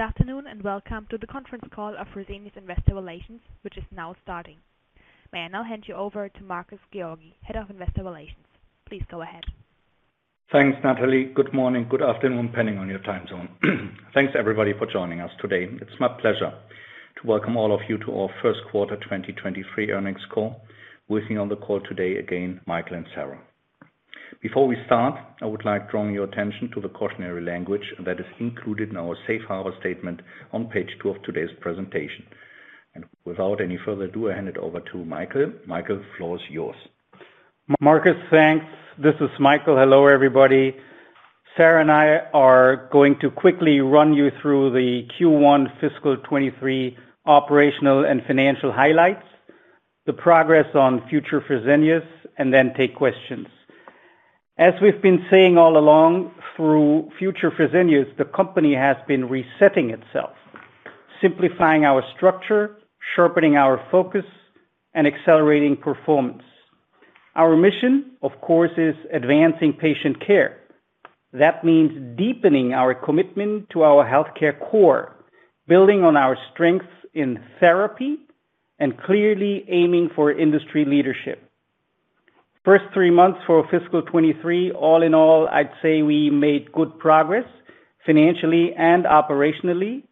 Good afternoon and welcome to the conference call of Fresenius Investor Relations, which is now starting. May I now hand you over to Markus Georgi, Head of Investor Relations. Please go ahead. Thanks, Natalie. Good morning, good afternoon, depending on your time zone. Thanks everybody for joining us today. It's my pleasure to welcome all of you to our first quarter 2023 earnings call. With me on the call today, again, Michael and Sara. Before we start, I would like drawing your attention to the cautionary language that is included in our safe harbor statement on page two of today's presentation. Without any further ado, I'll hand it over to Michael. Michael, the floor is yours. Markus, thanks. This is Michael. Hello, everybody. Sara and I are going to quickly run you through the Q1 fiscal 23 operational and financial highlights, the progress on #FutureFresenius, then take questions. As we've been saying all along, through #FutureFresenius, the company has been resetting itself, simplifying our structure, sharpening our focus, and accelerating performance. Our mission, of course, is advancing patient care. That means deepening our commitment to our healthcare core, building on our strengths in therapy, and clearly aiming for industry leadership. First three months for fiscal 23, all in all, I'd say we made good progress financially and operationally,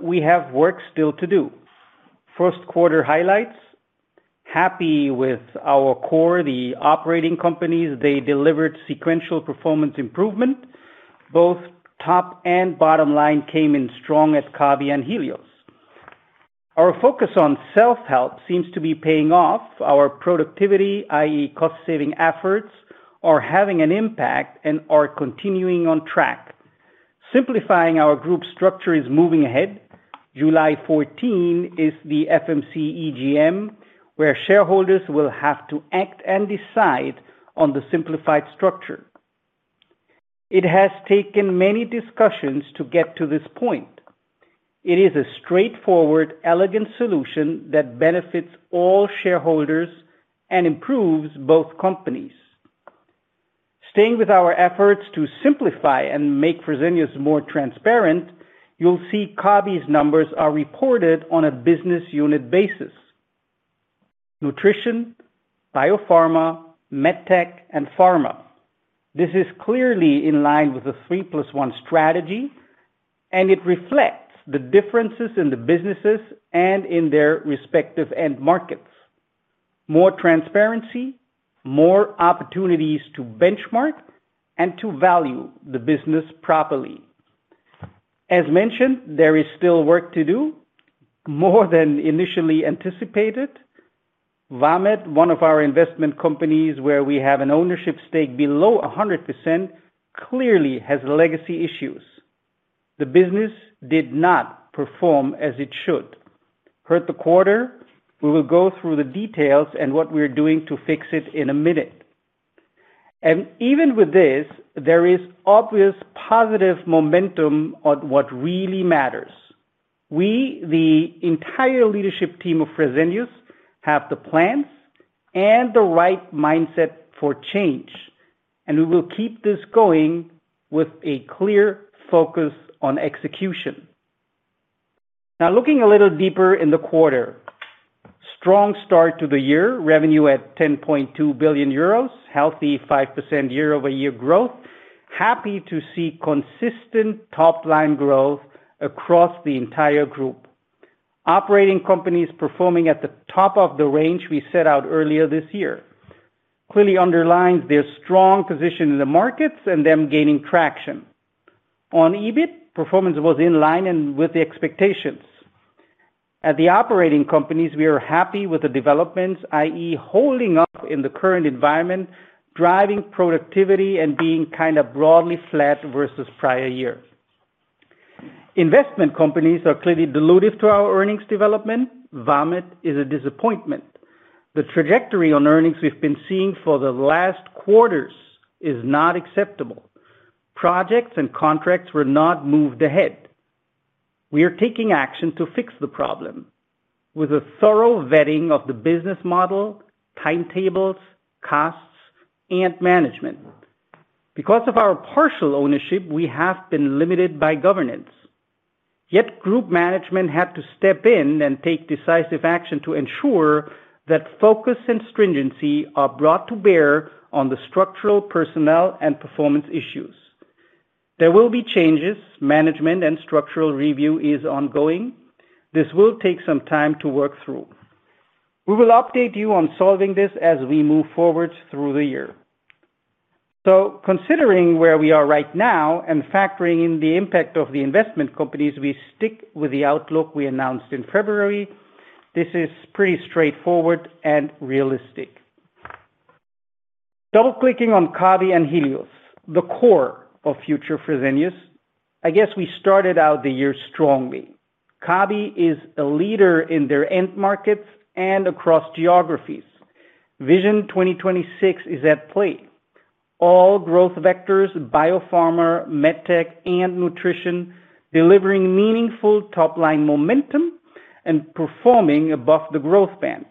we have work still to do. First quarter highlights. Happy with our core. The operating companies, they delivered sequential performance improvement. Both top and bottom line came in strong at Kabi and Helios. Our focus on self-help seems to be paying off. Our productivity, i.e., cost saving efforts, are having an impact and are continuing on track. Simplifying our group structure is moving ahead. July 14 is the FMC EGM, where shareholders will have to act and decide on the simplified structure. It has taken many discussions to get to this point. It is a straightforward, elegant solution that benefits all shareholders and improves both companies. Staying with our efforts to simplify and make Fresenius more transparent, you'll see Kabi's numbers are reported on a business unit basis. Nutrition, biopharma, MedTech, and pharma. This is clearly in line with the three plus one strategy. It reflects the differences in the businesses and in their respective end markets. More transparency, more opportunities to benchmark and to value the business properly. As mentioned, there is still work to do more than initially anticipated. Vamed, one of our investment companies where we have an ownership stake below 100%, clearly has legacy issues. The business did not perform as it should. Hurt the quarter. We will go through the details and what we're doing to fix it in a minute. Even with this, there is obvious positive momentum on what really matters. We, the entire leadership team of Fresenius, have the plans and the right mindset for change, and we will keep this going with a clear focus on execution. Now looking a little deeper in the quarter. Strong start to the year. Revenue at 10.2 billion euros. Healthy 5% year-over-year growth. Happy to see consistent top-line growth across the entire group. Operating companies performing at the top of the range we set out earlier this year clearly underlines their strong position in the markets and them gaining traction. On EBIT, performance was in line and with the expectations. At the operating companies, we are happy with the developments, i.e., holding up in the current environment, driving productivity and being kind of broadly flat versus prior years. Investment companies are clearly dilutive to our earnings development. Vamed is a disappointment. The trajectory on earnings we've been seeing for the last quarters is not acceptable. Projects and contracts were not moved ahead. We are taking action to fix the problem with a thorough vetting of the business model, timetables, costs, and management. Because of our partial ownership, we have been limited by governance. Yet group management had to step in and take decisive action to ensure that focus and stringency are brought to bear on the structural, personnel, and performance issues. There will be changes. Management and structural review is ongoing. This will take some time to work through. We will update you on solving this as we move forward through the year. Considering where we are right now and factoring in the impact of the investment companies, we stick with the outlook we announced in February. This is pretty straightforward and realistic. Double clicking on Kabi and Helios, the core of #FutureFresenius. I guess we started out the year strongly. Kabi is a leader in their end markets and across geographies. Vision 2026 is at play. All growth vectors, biopharma, medtech, and nutrition, delivering meaningful top-line momentum and performing above the growth band.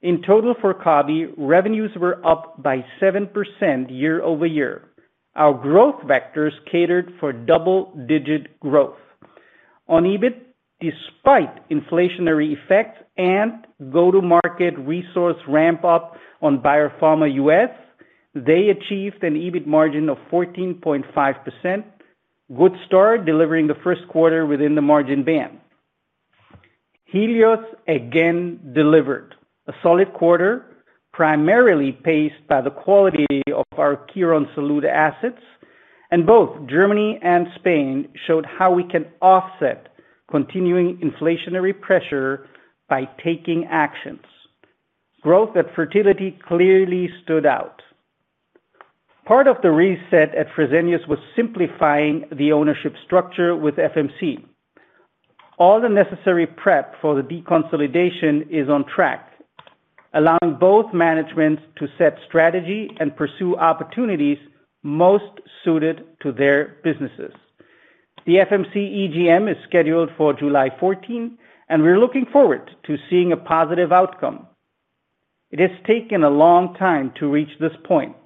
In total for Kabi, revenues were up by 7% year-over-year. Our growth vectors catered for double-digit growth. On EBIT, despite inflationary effects and go-to-market resource ramp up on biopharma U.S., they achieved an EBIT margin of 14.5%. Good start delivering the first quarter within the margin band. Helios again delivered a solid quarter, primarily paced by the quality of our Quirón Salud assets, and both Germany and Spain showed how we can offset continuing inflationary pressure by taking actions. Growth at fertility clearly stood out. Part of the reset at Fresenius was simplifying the ownership structure with FMC. All the necessary prep for the deconsolidation is on track, allowing both managements to set strategy and pursue opportunities most suited to their businesses. The FMC EGM is scheduled for July 14th, and we're looking forward to seeing a positive outcome. It has taken a long time to reach this point.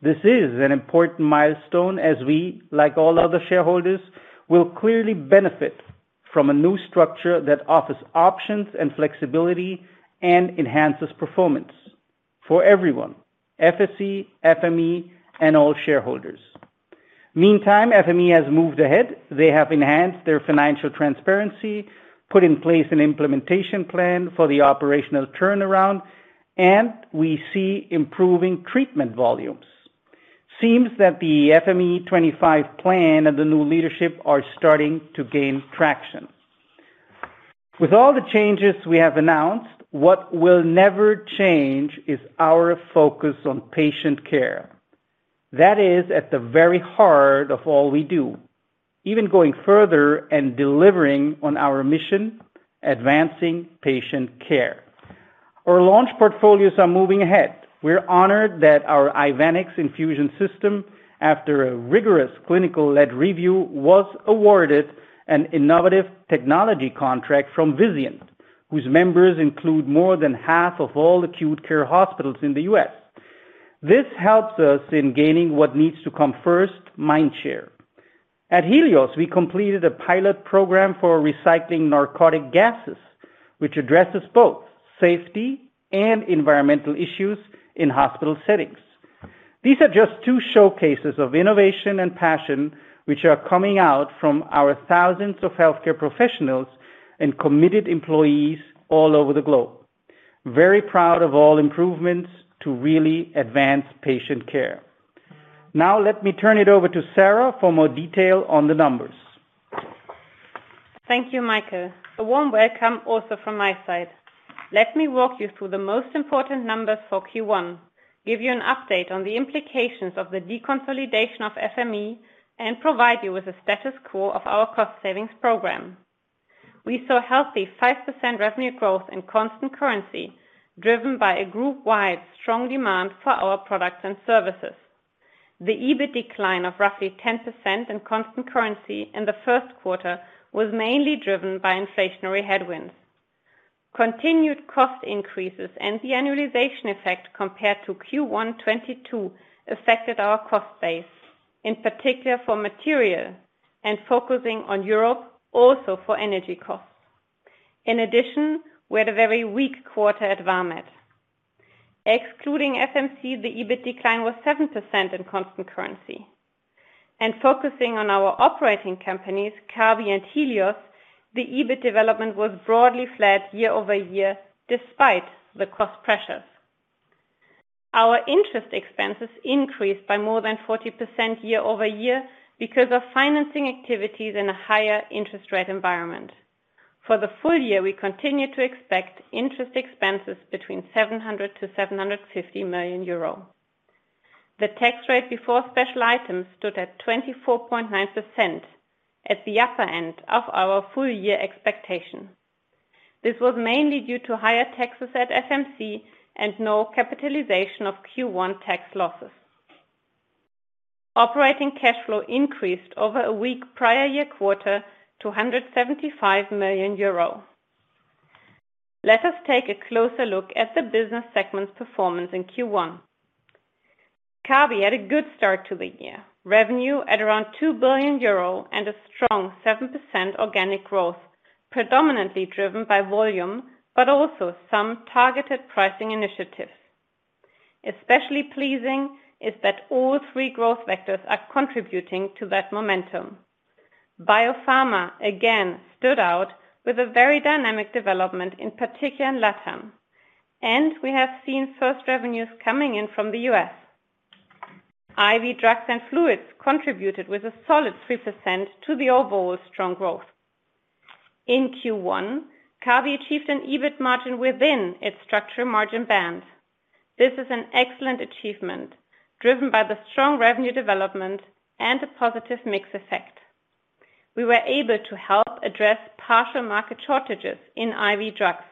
This is an important milestone as we, like all other shareholders, will clearly benefit from a new structure that offers options and flexibility and enhances performance for everyone, FSE, FME, and all shareholders. Meantime, FME has moved ahead. They have enhanced their financial transparency, put in place an implementation plan for the operational turnaround, and we see improving treatment volumes. Seems that the FME25 plan and the new leadership are starting to gain traction. With all the changes we have announced, what will never change is our focus on patient care. That is at the very heart of all we do, even going further and delivering on our mission, advancing patient care. Our launch portfolios are moving ahead. We're honored that our Ivenix infusion system, after a rigorous clinical led review, was awarded an innovative technology contract from Vizient, whose members include more than half of all acute care hospitals in the U.S. This helps us in gaining what needs to come first, mind share. At Helios, we completed a pilot program for recycling narcotic gases, which addresses both safety and environmental issues in hospital settings. These are just two showcases of innovation and passion, which are coming out from our thousands of healthcare professionals and committed employees all over the globe. Very proud of all improvements to really advance patient care. Let me turn it over to Sara for more detail on the numbers. Thank you, Michael. A warm welcome also from my side. Let me walk you through the most important numbers for Q1, give you an update on the implications of the deconsolidation of FME, and provide you with a status quo of our cost savings program. We saw healthy 5% revenue growth in constant currency driven by a group-wide strong demand for our products and services. The EBIT decline of roughly 10% in constant currency in the first quarter was mainly driven by inflationary headwinds. Continued cost increases and the annualization effect compared to Q1 2022 affected our cost base, in particular for material and focusing on Europe, also for energy costs. In addition, we had a very weak quarter at Vamed. Excluding FMC, the EBIT decline was 7% in constant currency. Focusing on our operating companies, Kabi and Helios, the EBIT development was broadly flat year-over-year despite the cost pressures. Our interest expenses increased by more than 40% year-over-year because of financing activities in a higher interest rate environment. For the full year, we continue to expect interest expenses between 700 million-750 million euro. The tax rate before special items stood at 24.9% at the upper end of our full year expectation. This was mainly due to higher taxes at FMC and no capitalization of Q1 tax losses. Operating cash flow increased over a weak prior year quarter to 175 million euro. Let us take a closer look at the business segment performance in Q1. Kabi had a good start to the year. Revenue at around 2 billion euro and a strong 7% organic growth, predominantly driven by volume, but also some targeted pricing initiatives. Especially pleasing is that all three growth vectors are contributing to that momentum. Biopharma, again, stood out with a very dynamic development, in particular in LATAM. We have seen first revenues coming in from the U.S. IV drugs and fluids contributed with a solid 3% to the overall strong growth. In Q1, Kabi achieved an EBIT margin within its structural margin band. This is an excellent achievement driven by the strong revenue development and a positive mix effect. We were able to help address partial market shortages in IV drugs.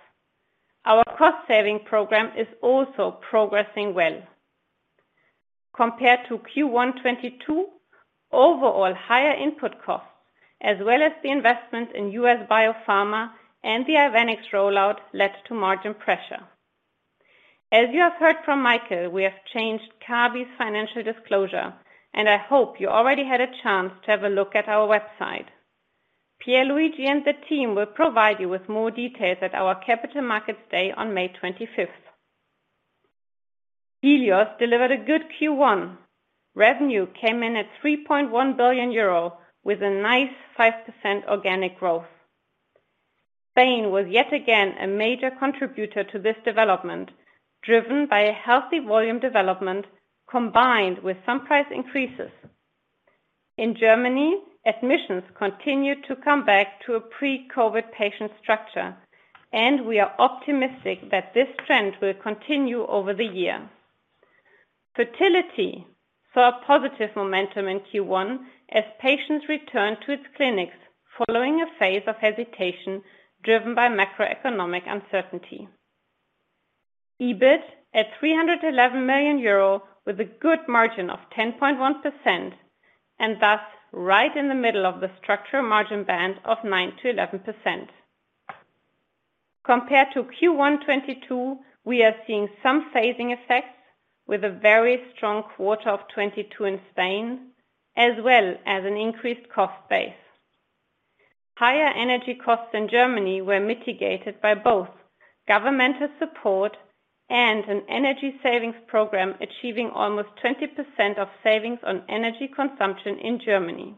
Our cost-saving program is also progressing well. Compared to Q1 2022, overall higher input costs as well as the investment in U.S. Biopharma and the Ivenix rollout led to margin pressure. As you have heard from Michael, we have changed Kabi's financial disclosure. I hope you already had a chance to have a look at our website. Pierluigi and the team will provide you with more details at our capital markets day on May 25th. Helios delivered a good Q1. Revenue came in at 3.1 billion euro with a nice 5% organic growth. Spain was yet again a major contributor to this development, driven by a healthy volume development combined with some price increases. In Germany, admissions continued to come back to a pre-COVID patient structure. We are optimistic that this trend will continue over the year. Fertility saw a positive momentum in Q1 as patients returned to its clinics following a phase of hesitation driven by macroeconomic uncertainty. EBIT at 311 million euro, with a good margin of 10.1% and thus right in the middle of the structural margin band of 9%-11%. Compared to Q1 '22, we are seeing some phasing effects with a very strong quarter of '22 in Spain, as well as an increased cost base. Higher energy costs in Germany were mitigated by both governmental support and an energy savings program, achieving almost 20% of savings on energy consumption in Germany.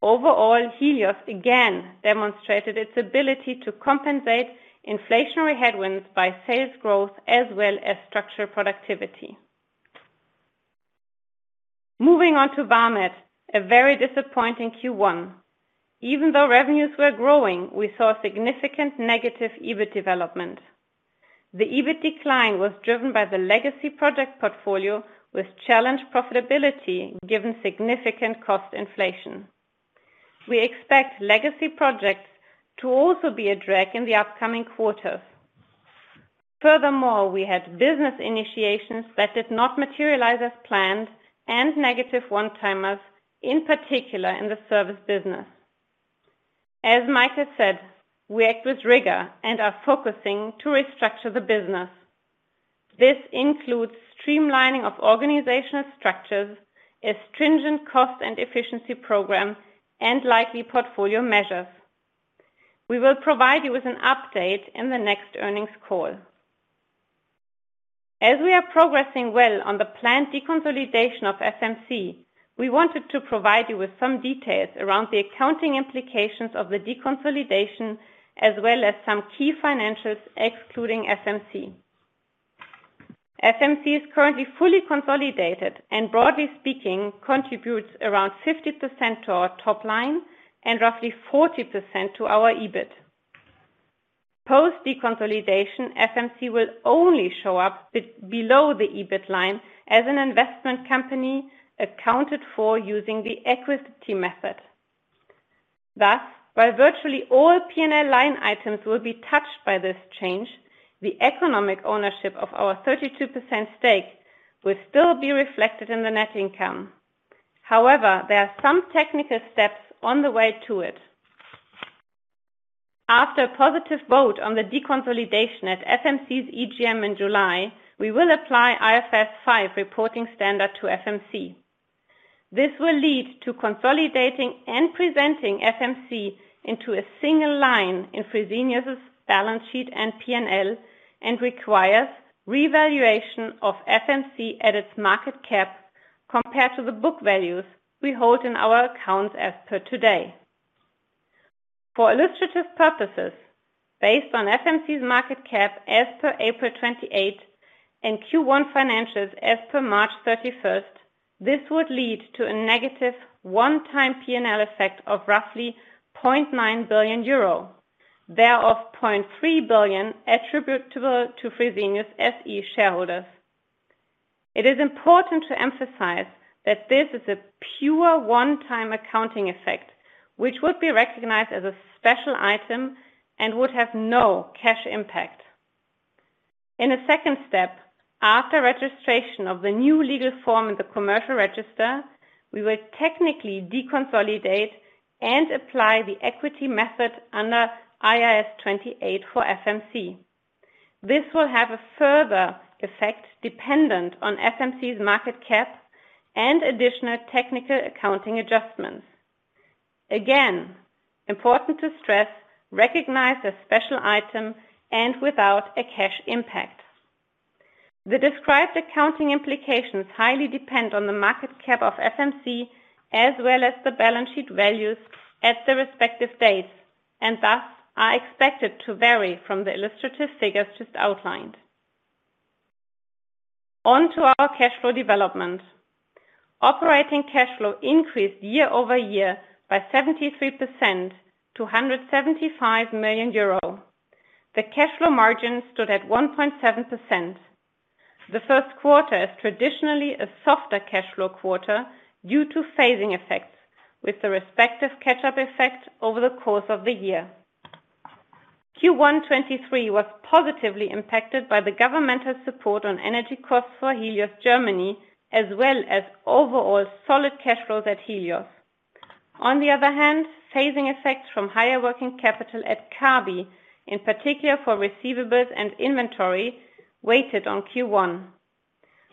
Overall, Helios again demonstrated its ability to compensate inflationary headwinds by sales growth as well as structural productivity. Moving on to Vamed, a very disappointing Q1. Even though revenues were growing, we saw significant negative EBIT development. The EBIT decline was driven by the legacy project portfolio with challenged profitability given significant cost inflation. We expect legacy projects to also be a drag in the upcoming quarters. We had business initiations that did not materialize as planned and negative one-timers in particular in the service business. As Michael said, we act with rigor and are focusing to restructure the business. This includes streamlining of organizational structures, a stringent cost and efficiency program and likely portfolio measures. We will provide you with an update in the next earnings call. We are progressing well on the planned deconsolidation of FMC, we wanted to provide you with some details around the accounting implications of the deconsolidation as well as some key financials excluding FMC. FMC is currently fully consolidated and broadly speaking, contributes around 50% to our top line and roughly 40% to our EBIT. Post deconsolidation, FMC will only show up below the EBIT line as an investment company accounted for using the equity method. While virtually all P&L line items will be touched by this change, the economic ownership of our 32% stake will still be reflected in the net income. There are some technical steps on the way to it. After a positive vote on the deconsolidation at FMC's EGM in July, we will apply IFRS 5 reporting standard to FMC. This will lead to consolidating and presenting FMC into a single line in Fresenius's balance sheet and P&L, and requires revaluation of FMC at its market cap compared to the book values we hold in our accounts as per today. For illustrative purposes, based on FMC's market cap as per April 28th and Q1 financials as per March 31st, this would lead to a negative one-time P&L effect of roughly 0.9 billion euro, thereof 0.3 billion attributable to Fresenius SE shareholders. It is important to emphasize that this is a pure one-time accounting effect, which would be recognized as a special item and would have no cash impact. In a second step, after registration of the new legal form in the commercial register, we will technically deconsolidate and apply the equity method under IAS 28 for FMC. This will have a further effect dependent on FMC's market cap and additional technical accounting adjustments. Again, important to stress, recognized as special item and without a cash impact. The described accounting implications highly depend on the market cap of FMC as well as the balance sheet values at the respective dates, thus are expected to vary from the illustrative figures just outlined. Onto our cash flow development. Operating cash flow increased year-over-year by 73% to 175 million euro. The cash flow margin stood at 1.7%. The first quarter is traditionally a softer cash flow quarter due to phasing effects, with the respective catch-up effect over the course of the year. Q1 2023 was positively impacted by the governmental support on energy costs for Helios Germany, as well as overall solid cash flows at Helios. Phasing effects from higher working capital at Kabi, in particular for receivables and inventory, weighed on Q1.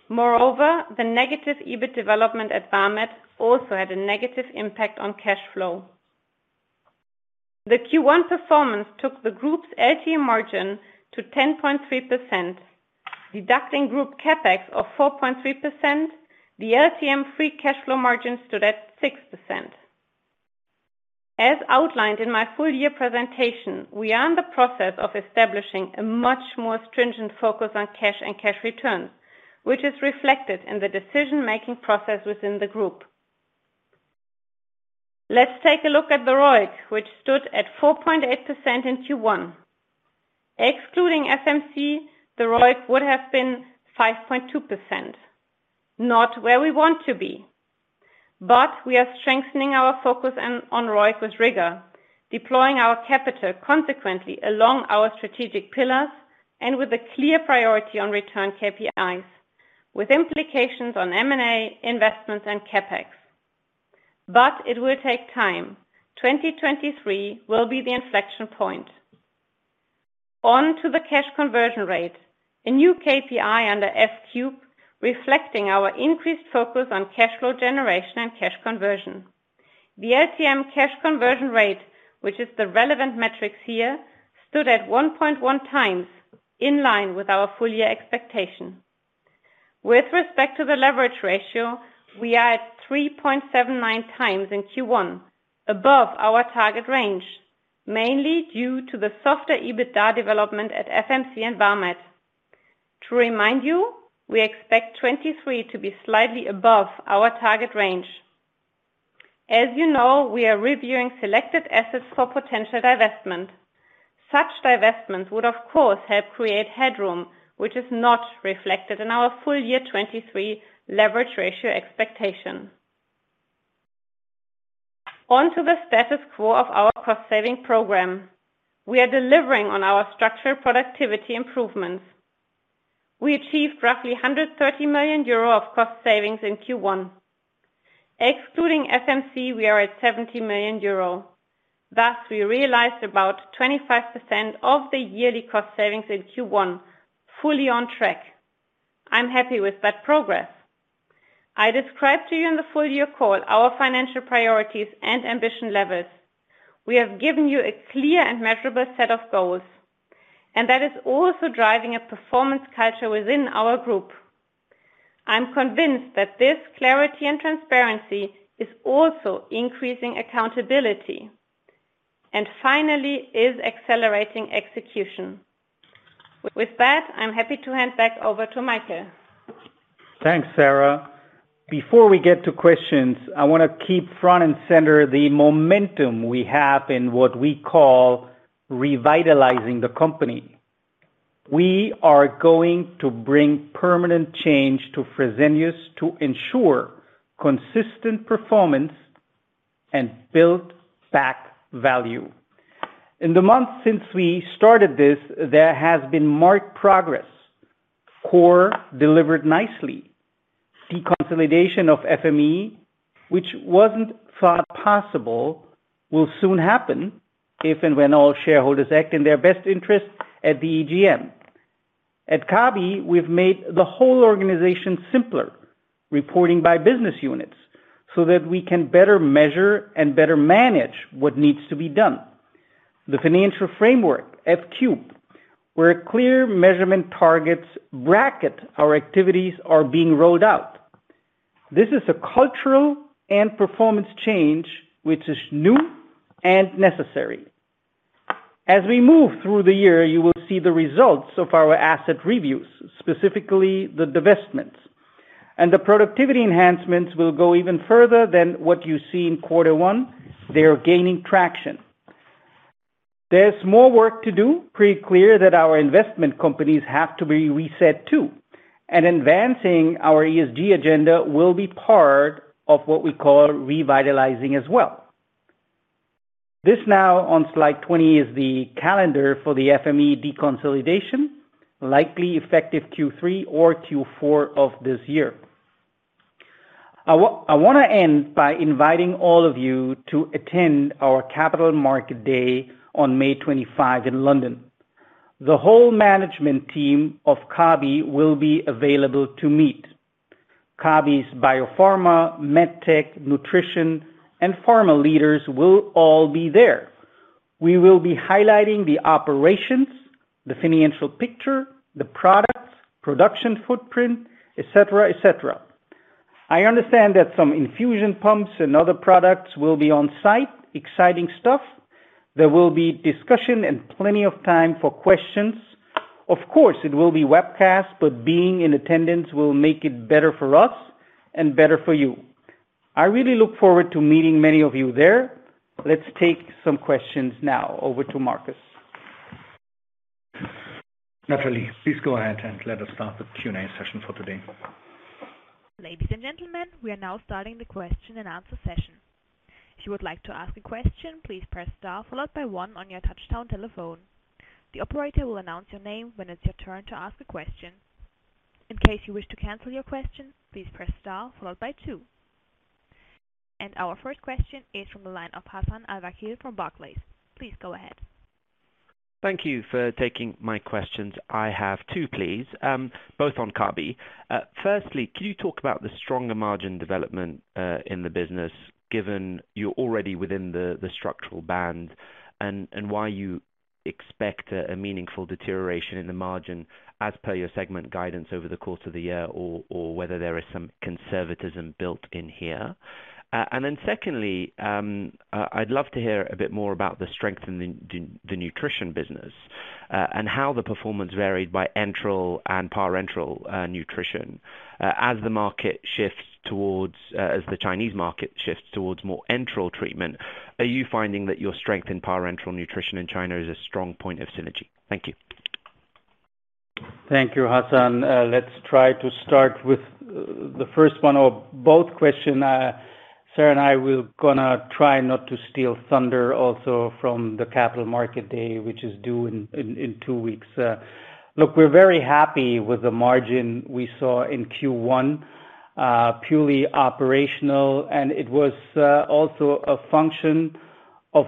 The negative EBIT development at Vamed also had a negative impact on cash flow. The Q1 performance took the group's LTM margin to 10.3%. Deducting group CapEx of 4.3%, the LTM free cash flow margin stood at 6%. As outlined in my full year presentation, we are in the process of establishing a much more stringent focus on cash and cash returns, which is reflected in the decision making process within the group. Let's take a look at the ROIC, which stood at 4.8% in Q1. Excluding FMC, the ROIC would have been 5.2%. Not where we want to be, we are strengthening our focus on ROIC with rigor, deploying our capital consequently along our strategic pillars and with a clear priority on return KPIs with implications on M&A, investments, and CapEx. It will take time. 2023 will be the inflection point. On to the cash conversion rate, a new KPI under F³ reflecting our increased focus on cash flow generation and cash conversion. The LTM cash conversion rate, which is the relevant metrics here, stood at 1.1 times, in line with our full year expectation. With respect to the leverage ratio, we are at 3.79 times in Q1, above our target range, mainly due to the softer EBITDA development at FMC and Vamed. To remind you, we expect 2023 to be slightly above our target range. As you know, we are reviewing selected assets for potential divestment. Such divestments would, of course, help create headroom, which is not reflected in our full year 2023 leverage ratio expectation. On to the status quo of our cost saving program. We are delivering on our structural productivity improvements. We achieved roughly 130 million euro of cost savings in Q1. Excluding FMC, we are at 70 million euro. We realized about 25% of the yearly cost savings in Q1, fully on track. I'm happy with that progress. I described to you in the full year call our financial priorities and ambition levels. We have given you a clear and measurable set of goals. That is also driving a performance culture within our group. I'm convinced that this clarity and transparency is also increasing accountability and finally is accelerating execution. With that, I'm happy to hand back over to Michael. Thanks, Sara. Before we get to questions, I wanna keep front and center the momentum we have in what we call revitalizing the company. We are going to bring permanent change to Fresenius to ensure consistent performance and build back value. In the months since we started this, there has been marked progress. Core delivered nicely. Deconsolidation of FME, which wasn't thought possible, will soon happen if and when all shareholders act in their best interest at the EGM. At Kabi, we've made the whole organization simpler, reporting by business units so that we can better measure and better manage what needs to be done. The financial framework, F Cube, where clear measurement targets bracket our activities are being rolled out. This is a cultural and performance change which is new and necessary. As we move through the year, you will see the results of our asset reviews, specifically the divestments. The productivity enhancements will go even further than what you see in Q1. They are gaining traction. There's more work to do. Pretty clear that our investment companies have to be reset too. Advancing our ESG agenda will be part of what we call revitalizing as well. This now on slide 20 is the calendar for the FME deconsolidation, likely effective Q3 or Q4 of this year. I wanna end by inviting all of you to attend our Capital Market Day on May 25 in London. The whole management team of Kabi will be available to meet. Kabi's biopharma, med tech, nutrition, and pharma leaders will all be there. We will be highlighting the operations, the financial picture, the products, production footprint, et cetera, et cetera. I understand that some infusion pumps and other products will be on-site, exciting stuff. There will be discussion and plenty of time for questions. Of course, it will be webcast, but being in attendance will make it better for us and better for you. I really look forward to meeting many of you there. Let's take some questions now. Over to Markus. Natalie, please go ahead and let us start the Q&A session for today. Ladies and gentlemen, we are now starting the question and answer session. If you would like to ask a question, please press star followed by one on your touch-tone telephone. The operator will announce your name when it's your turn to ask a question. In case you wish to cancel your question, please press star followed by two. Our first question is from the line of Hassan Al-Wakeel from Barclays. Please go ahead. Thank you for taking my questions. I have two, please, both on Kabi. Firstly, can you talk about the stronger margin development in the business, given you're already within the structural band, and why you expect a meaningful deterioration in the margin as per your segment guidance over the course of the year or whether there is some conservatism built in here. Secondly, I'd love to hear a bit more about the strength in the nutrition business, and how the performance varied by enteral and parenteral nutrition. As the Chinese market shifts towards more enteral treatment, are you finding that your strength in parenteral nutrition in China is a strong point of synergy? Thank you. Thank you, Hassan. Let's try to start with the first one or both question. Sara and I we're gonna try not to steal thunder also from the capital market day, which is due in two weeks. Look, we're very happy with the margin we saw in Q1, purely operational, and it was also a function of,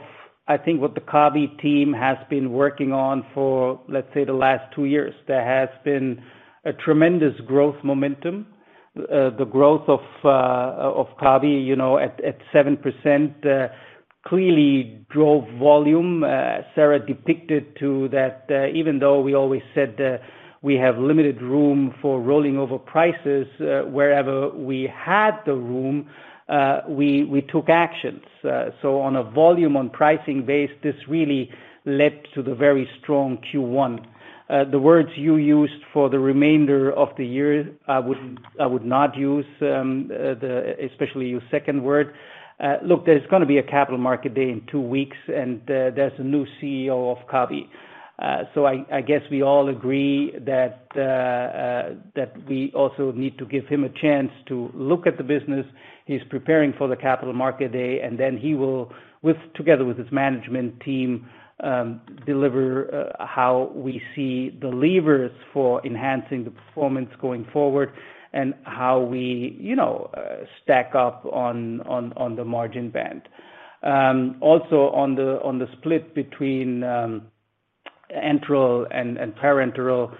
I think, what the Kabi team has been working on for, let's say, the last two years. There has been a tremendous growth momentum. The growth of Kabi, you know, at 7%, clearly drove volume. Sara depicted to that, even though we always said that we have limited room for rolling over prices, wherever we had the room, we took actions. On a volume on pricing base, this really led to the very strong Q1. The words you used for the remainder of the year, I would not use, the, especially your second word. Look, there's gonna be a capital market day in two weeks, there's a new CEO of Kabi. I guess we all agree that we also need to give him a chance to look at the business. He's preparing for the capital market day, and then he will together with his management team, deliver how we see the levers for enhancing the performance going forward and how we, you know, stack up on the margin band. Also on the split between enteral and parenteral,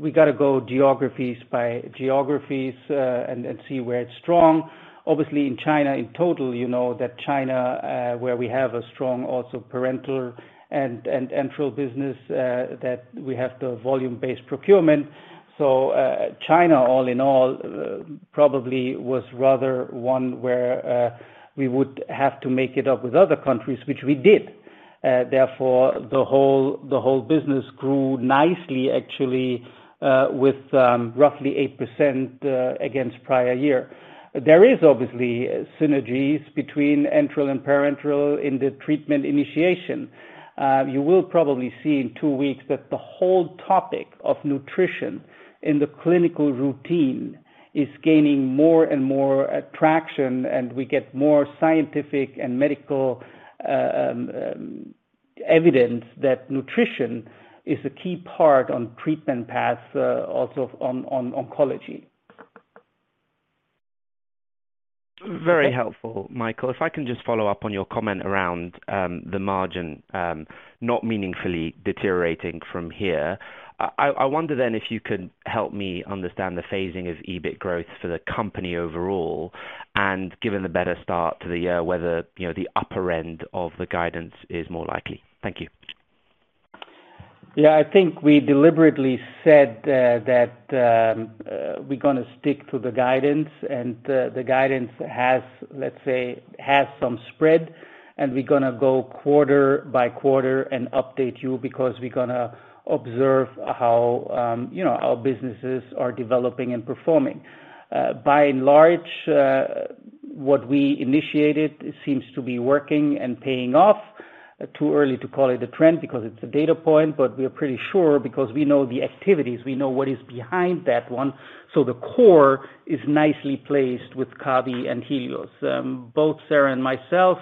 we gotta go geographies by geographies and see where it's strong. Obviously in China in total, you know that China, where we have a strong also parenteral and enteral business, that we have the volume-based procurement. China, all in all, probably was rather one where we would have to make it up with other countries, which we did. Therefore, the whole business grew nicely, actually, with roughly 8% against prior year. There is obviously synergies between enteral and parenteral in the treatment initiation. You will probably see in two weeks that the whole topic of nutrition in the clinical routine is gaining more and more attraction, and we get more scientific and medical evidence that nutrition is a key part on treatment paths, also on oncology. Very helpful, Michael. If I can just follow up on your comment around the margin not meaningfully deteriorating from here. I wonder then if you could help me understand the phasing of EBIT growth for the company overall and given the better start to the year, whether, you know, the upper end of the guidance is more likely. Thank you. Yeah. I think we deliberately said that we're gonna stick to the guidance and the guidance has, let's say, has some spread and we're gonna go quarter by quarter and update you because we're gonna observe how, you know, our businesses are developing and performing. By and large, what we initiated seems to be working and paying off. Too early to call it a trend because it's a data point, but we are pretty sure because we know the activities, we know what is behind that one. The core is nicely placed with Kabi and Helios. Both Sara and myself,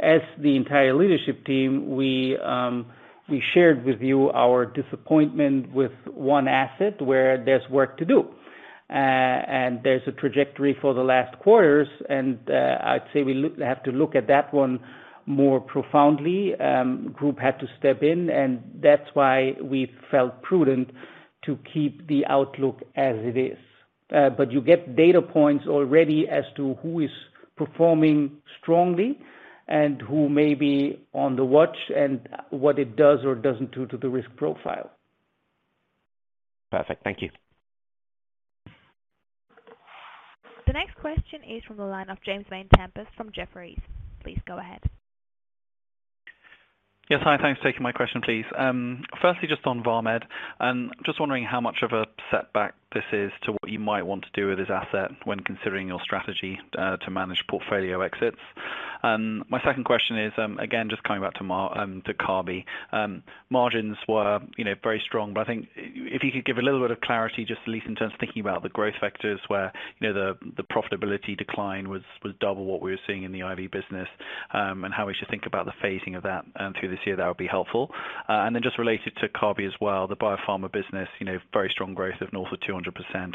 as the entire leadership team, we shared with you our disappointment with one asset where there's work to do. There's a trajectory for the last quarters, and I'd say we have to look at that one more profoundly. Group had to step in, that's why we felt prudent to keep the outlook as it is. You get data points already as to who is performing strongly and who may be on the watch and what it does or doesn't do to the risk profile. Perfect. Thank you. The next question is from the line of James Vane-Tempest from Jefferies. Please go ahead. Yes, hi. Thanks for taking my question, please. Firstly, just on Vamed. Just wondering how much of a setback this is to what you might want to do with this asset when considering your strategy to manage portfolio exits? My second question is, again, just coming back to Kabi. Margins were, you know, very strong, but I think if you could give a little bit of clarity, just at least in terms of thinking about the growth vectors where, you know, the profitability decline was double what we were seeing in the IV business, and how we should think about the phasing of that through this year, that would be helpful. And then just related to Kabi as well, the biopharma business, you know, very strong growth of north of 200%.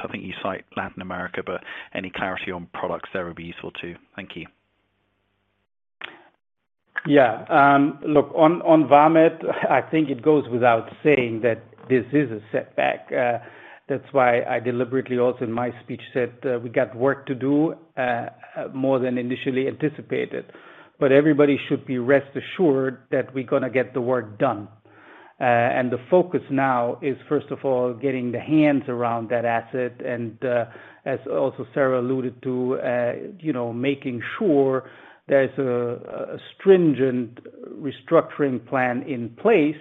I think you cite Latin America, but any clarity on products there would be useful too. Thank you. Yeah. look, on Vamed, I think it goes without saying that this is a setback. That's why I deliberately also in my speech said that we got work to do, more than initially anticipated. Everybody should be rest assured that we're gonna get the work done. The focus now is, first of all, getting the hands around that asset and, as also Sara alluded to, you know, making sure there's a stringent restructuring plan in place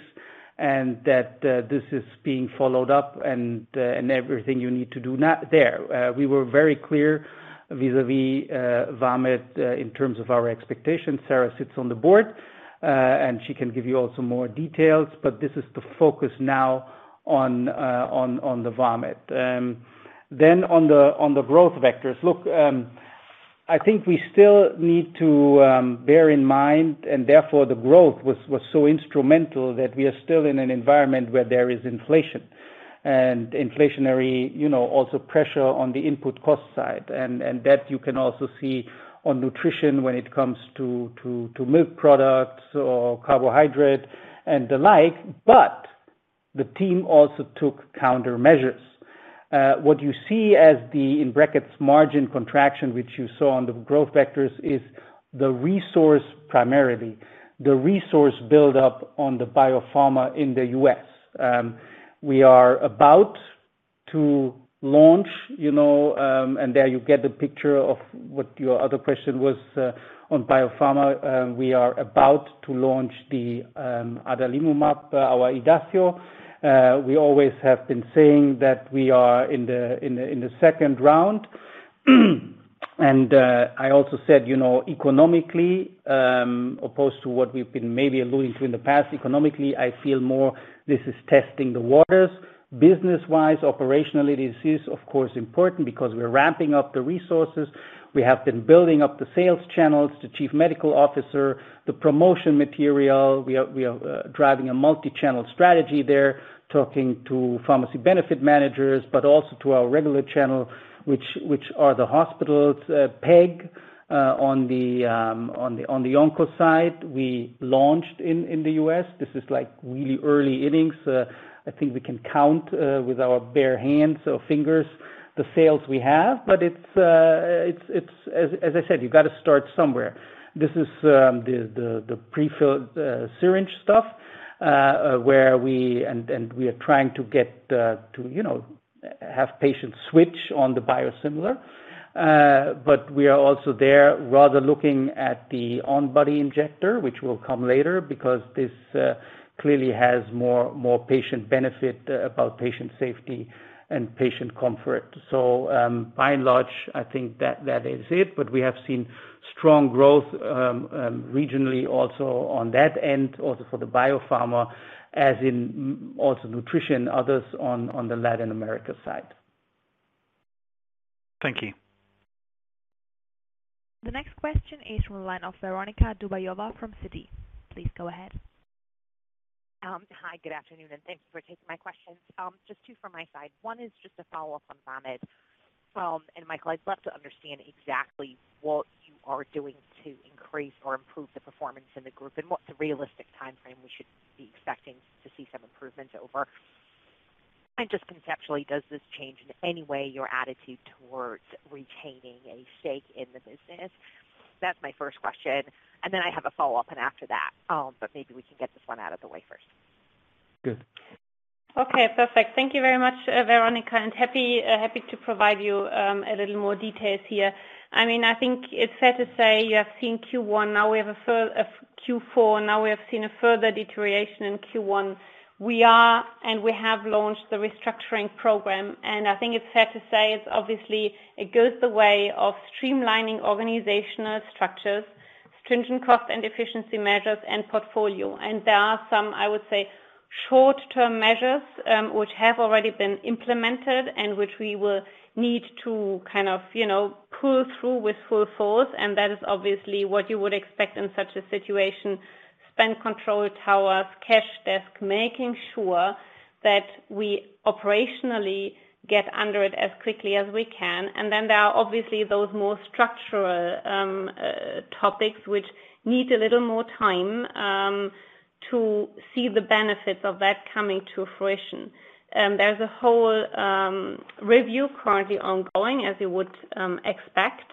and that, this is being followed up and everything you need to do now there. We were very clear vis-à-vis, Vamed, in terms of our expectations. Sara sits on the board, and she can give you also more details, but this is the focus now on, on the Vamed. On the growth vectors. Look, I think we still need to bear in mind, therefore the growth was so instrumental that we are still in an environment where there is inflation. Inflationary, you know, also pressure on the input cost side. That you can also see on nutrition when it comes to milk products or carbohydrate and the like, but the team also took countermeasures. What you see as the, in brackets, margin contraction, which you saw on the growth vectors, is the resource build-up on the biopharma in the U.S. We are about to launch, you know, there you get the picture of what your other question was on biopharma. We are about to launch the adalimumab, our Idacio. We always have been saying that we are in the second round. I also said, you know, economically, opposed to what we've been maybe alluding to in the past, economically, I feel more this is testing the waters. Business-wise, operationally, this is, of course, important because we're ramping up the resources. We have been building up the sales channels, the chief medical officer, the promotion material. We are driving a multi-channel strategy there, talking to pharmacy benefit managers, but also to our regular channel which are the hospitals, Stimufend, on the onco side we launched in the U.S. This is like really early innings. I think we can count, with our bare hands or fingers the sales we have. It's as I said, you've got to start somewhere. This is the prefilled syringe stuff, where we are trying to, you know, have patients switch on the biosimilar. We are also there rather looking at the on-body injector, which will come later because this clearly has more patient benefit about patient safety and patient comfort. By and large, I think that is it. We have seen strong growth, regionally also on that end, also for the biopharma, as in also nutrition, others on the Latin America side. Thank you. The next question is from the line of Veronika Dubajova from Citi. Please go ahead. Hi, good afternoon, and thanks for taking my questions. Just two from my side. One is just a follow-up on Vamed. Michael, I'd love to understand exactly what you are doing to increase or improve the performance in the group, and what's a realistic timeframe we should be expecting to see some improvements over? Just conceptually, does this change in any way your attitude towards retaining a stake in the business? That's my first question. I have a follow-up and after that, but maybe we can get this one out of the way first. Good. Okay, perfect. Thank you very much, Veronika. Happy to provide you a little more details here. I mean, I think it's fair to say you have seen Q1, now we have a Q4, now we have seen a further deterioration in Q1. We have launched the restructuring program, I think it's fair to say it's obviously it goes the way of streamlining organizational structures, stringent cost and efficiency measures and portfolio. There are some, I would say, short-term measures, which have already been implemented and which we will need to kind of, you know, pull through with full force, that is obviously what you would expect in such a situation. Spend control towers, cash desk, making sure that we operationally get under it as quickly as we can. Then there are obviously those more structural topics which need a little more time to see the benefits of that coming to fruition. There's a whole review currently ongoing, as you would expect.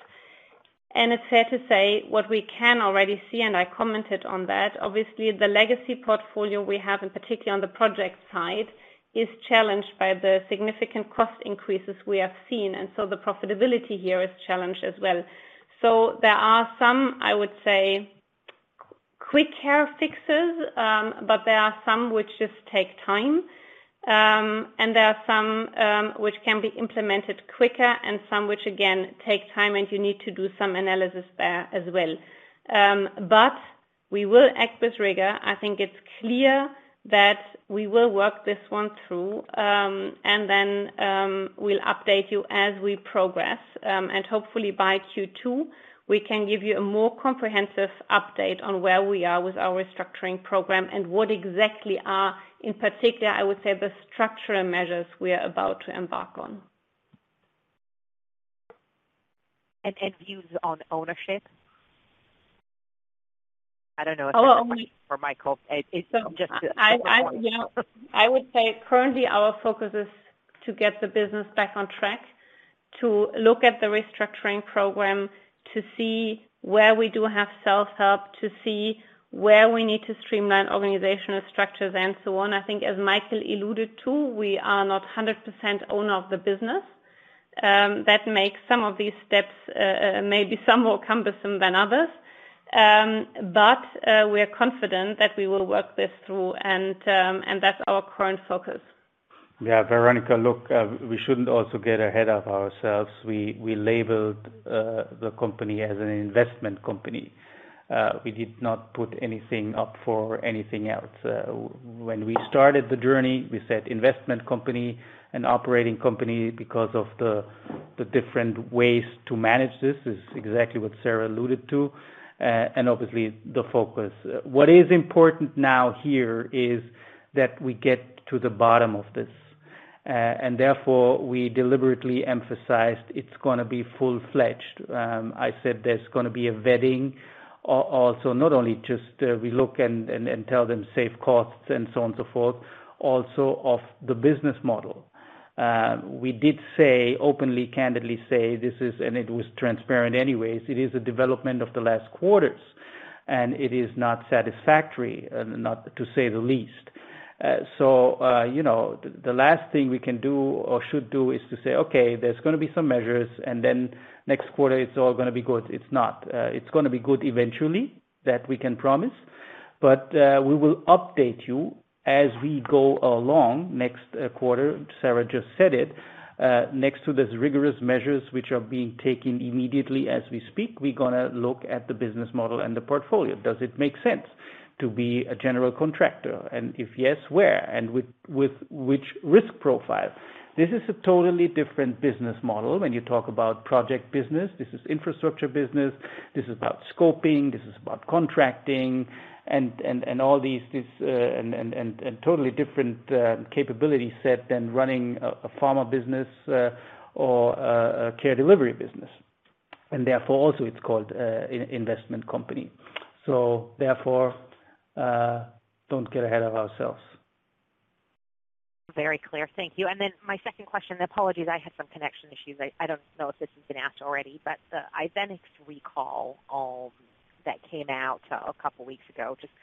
It's fair to say what we can already see, and I commented on that. Obviously, the legacy portfolio we have, in particular on the project side, is challenged by the significant cost increases we have seen. So the profitability here is challenged as well. There are some, I would sayQuick care fixes, but there are some which just take time, and there are some which can be implemented quicker and some which again take time, and you need to do some analysis there as well. We will act with rigor. I think it's clear that we will work this one through. We'll update you as we progress. Hopefully by Q2, we can give you a more comprehensive update on where we are with our restructuring program and what exactly are, in particular, I would say, the structural measures we are about to embark on. Views on ownership? I don't know if that's a question for Michael. Yeah. I would say currently our focus is to get the business back on track, to look at the restructuring program, to see where we do have self-help, to see where we need to streamline organizational structures and so on. I think as Michael alluded to, we are not 100% owner of the business. That makes some of these steps maybe some more cumbersome than others. We are confident that we will work this through and that's our current focus. Yeah. Veronica, look, we shouldn't also get ahead of ourselves. We labeled the company as an investment company. We did not put anything up for anything else. When we started the journey, we said investment company and operating company because of the different ways to manage this, is exactly what Sara alluded to, and obviously the focus. What is important now here is that we get to the bottom of this, and therefore we deliberately emphasized it's gonna be full-fledged. I said there's gonna be a vetting, also not only just, we look and tell them save costs and so on and so forth, also of the business model. We did say openly, candidly say this is... It was transparent anyways. It is a development of the last quarters, and it is not satisfactory, not to say the least. You know, the last thing we can do or should do is to say, "Okay, there's gonna be some measures, and then next quarter it's all gonna be good." It's not. It's gonna be good eventually, that we can promise, but we will update you as we go along next quarter. Sara just said it. Next to these rigorous measures which are being taken immediately as we speak, we're gonna look at the business model and the portfolio. Does it make sense to be a general contractor? If yes, where? And with which risk profile? This is a totally different business model when you talk about project business. This is infrastructure business. This is about scoping, this is about contracting and all these, this and totally different capability set than running a pharma business or a care delivery business. Therefore, also it's called an investment company. Therefore, don't get ahead of ourselves. Very clear. Thank you. My second question. Apologies, I had some connection issues. I don't know if this has been asked already, the Ivenix recall, that came out a couple weeks ago. Just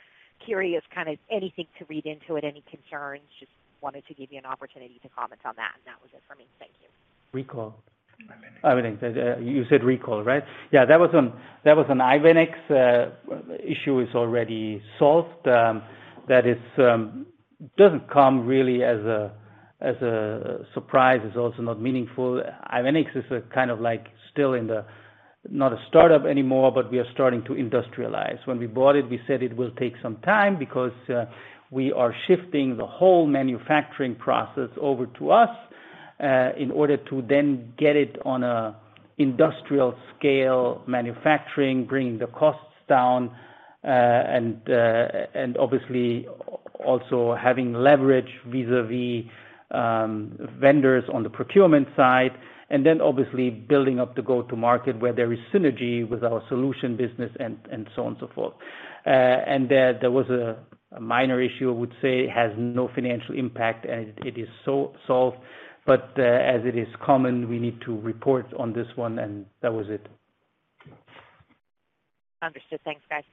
curious, kind of anything to read into it, any concerns? Just wanted to give you an opportunity to comment on that. That was it for me. Thank you. Recall? Ivenix. Ivenix. You said recall, right? Yeah. That was an Ivenix issue is already solved. That is doesn't come really as a surprise. It's also not meaningful. Ivenix is a kind of like still in the, not a startup anymore, but we are starting to industrialize. When we bought it, we said it will take some time because we are shifting the whole manufacturing process over to us in order to then get it on a industrial scale manufacturing, bringing the costs down, and obviously also having leverage vis-a-vis vendors on the procurement side, and then obviously building up the go-to-market where there is synergy with our solution business and so on and so forth. There was a minor issue, I would say, has no financial impact and it is so solved. As it is common, we need to report on this one, and that was it. Understood. Thanks, guys.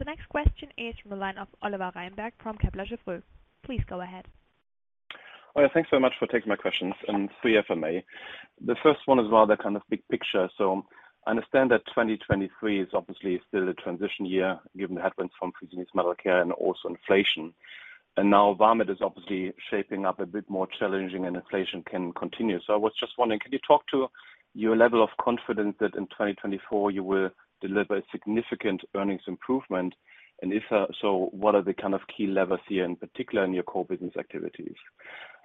The next question is from the line of Oliver Reinberg from Kepler Cheuvreux. Please go ahead. Oh, yeah. Thanks so much for taking my questions. Three if I may. The first one is rather kind of big picture. I understand that 2023 is obviously still a transition year given the headwinds from Fresenius Medical Care and also inflation. Now Vamed is obviously shaping up a bit more challenging and inflation can continue. I was just wondering, can you talk to your level of confidence that in 2024 you will deliver significant earnings improvement? If so, what are the kind of key levers here, in particular in your core business activities?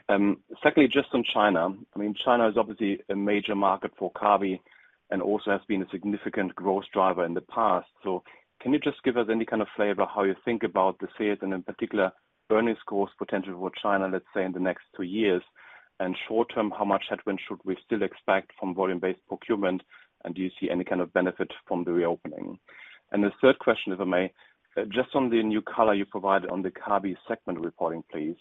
Secondly, just on China. I mean, China is obviously a major market for Kabi and also has been a significant growth driver in the past. Can you just give us any kind of flavor how you think about the sales and in particular earnings course potential for China, let's say in the next two years? Short term, how much headwind should we still expect from volume-based procurement, and do you see any kind of benefit from the reopening? The third question, if I may, just on the new color you provided on the Kabi segment reporting, please.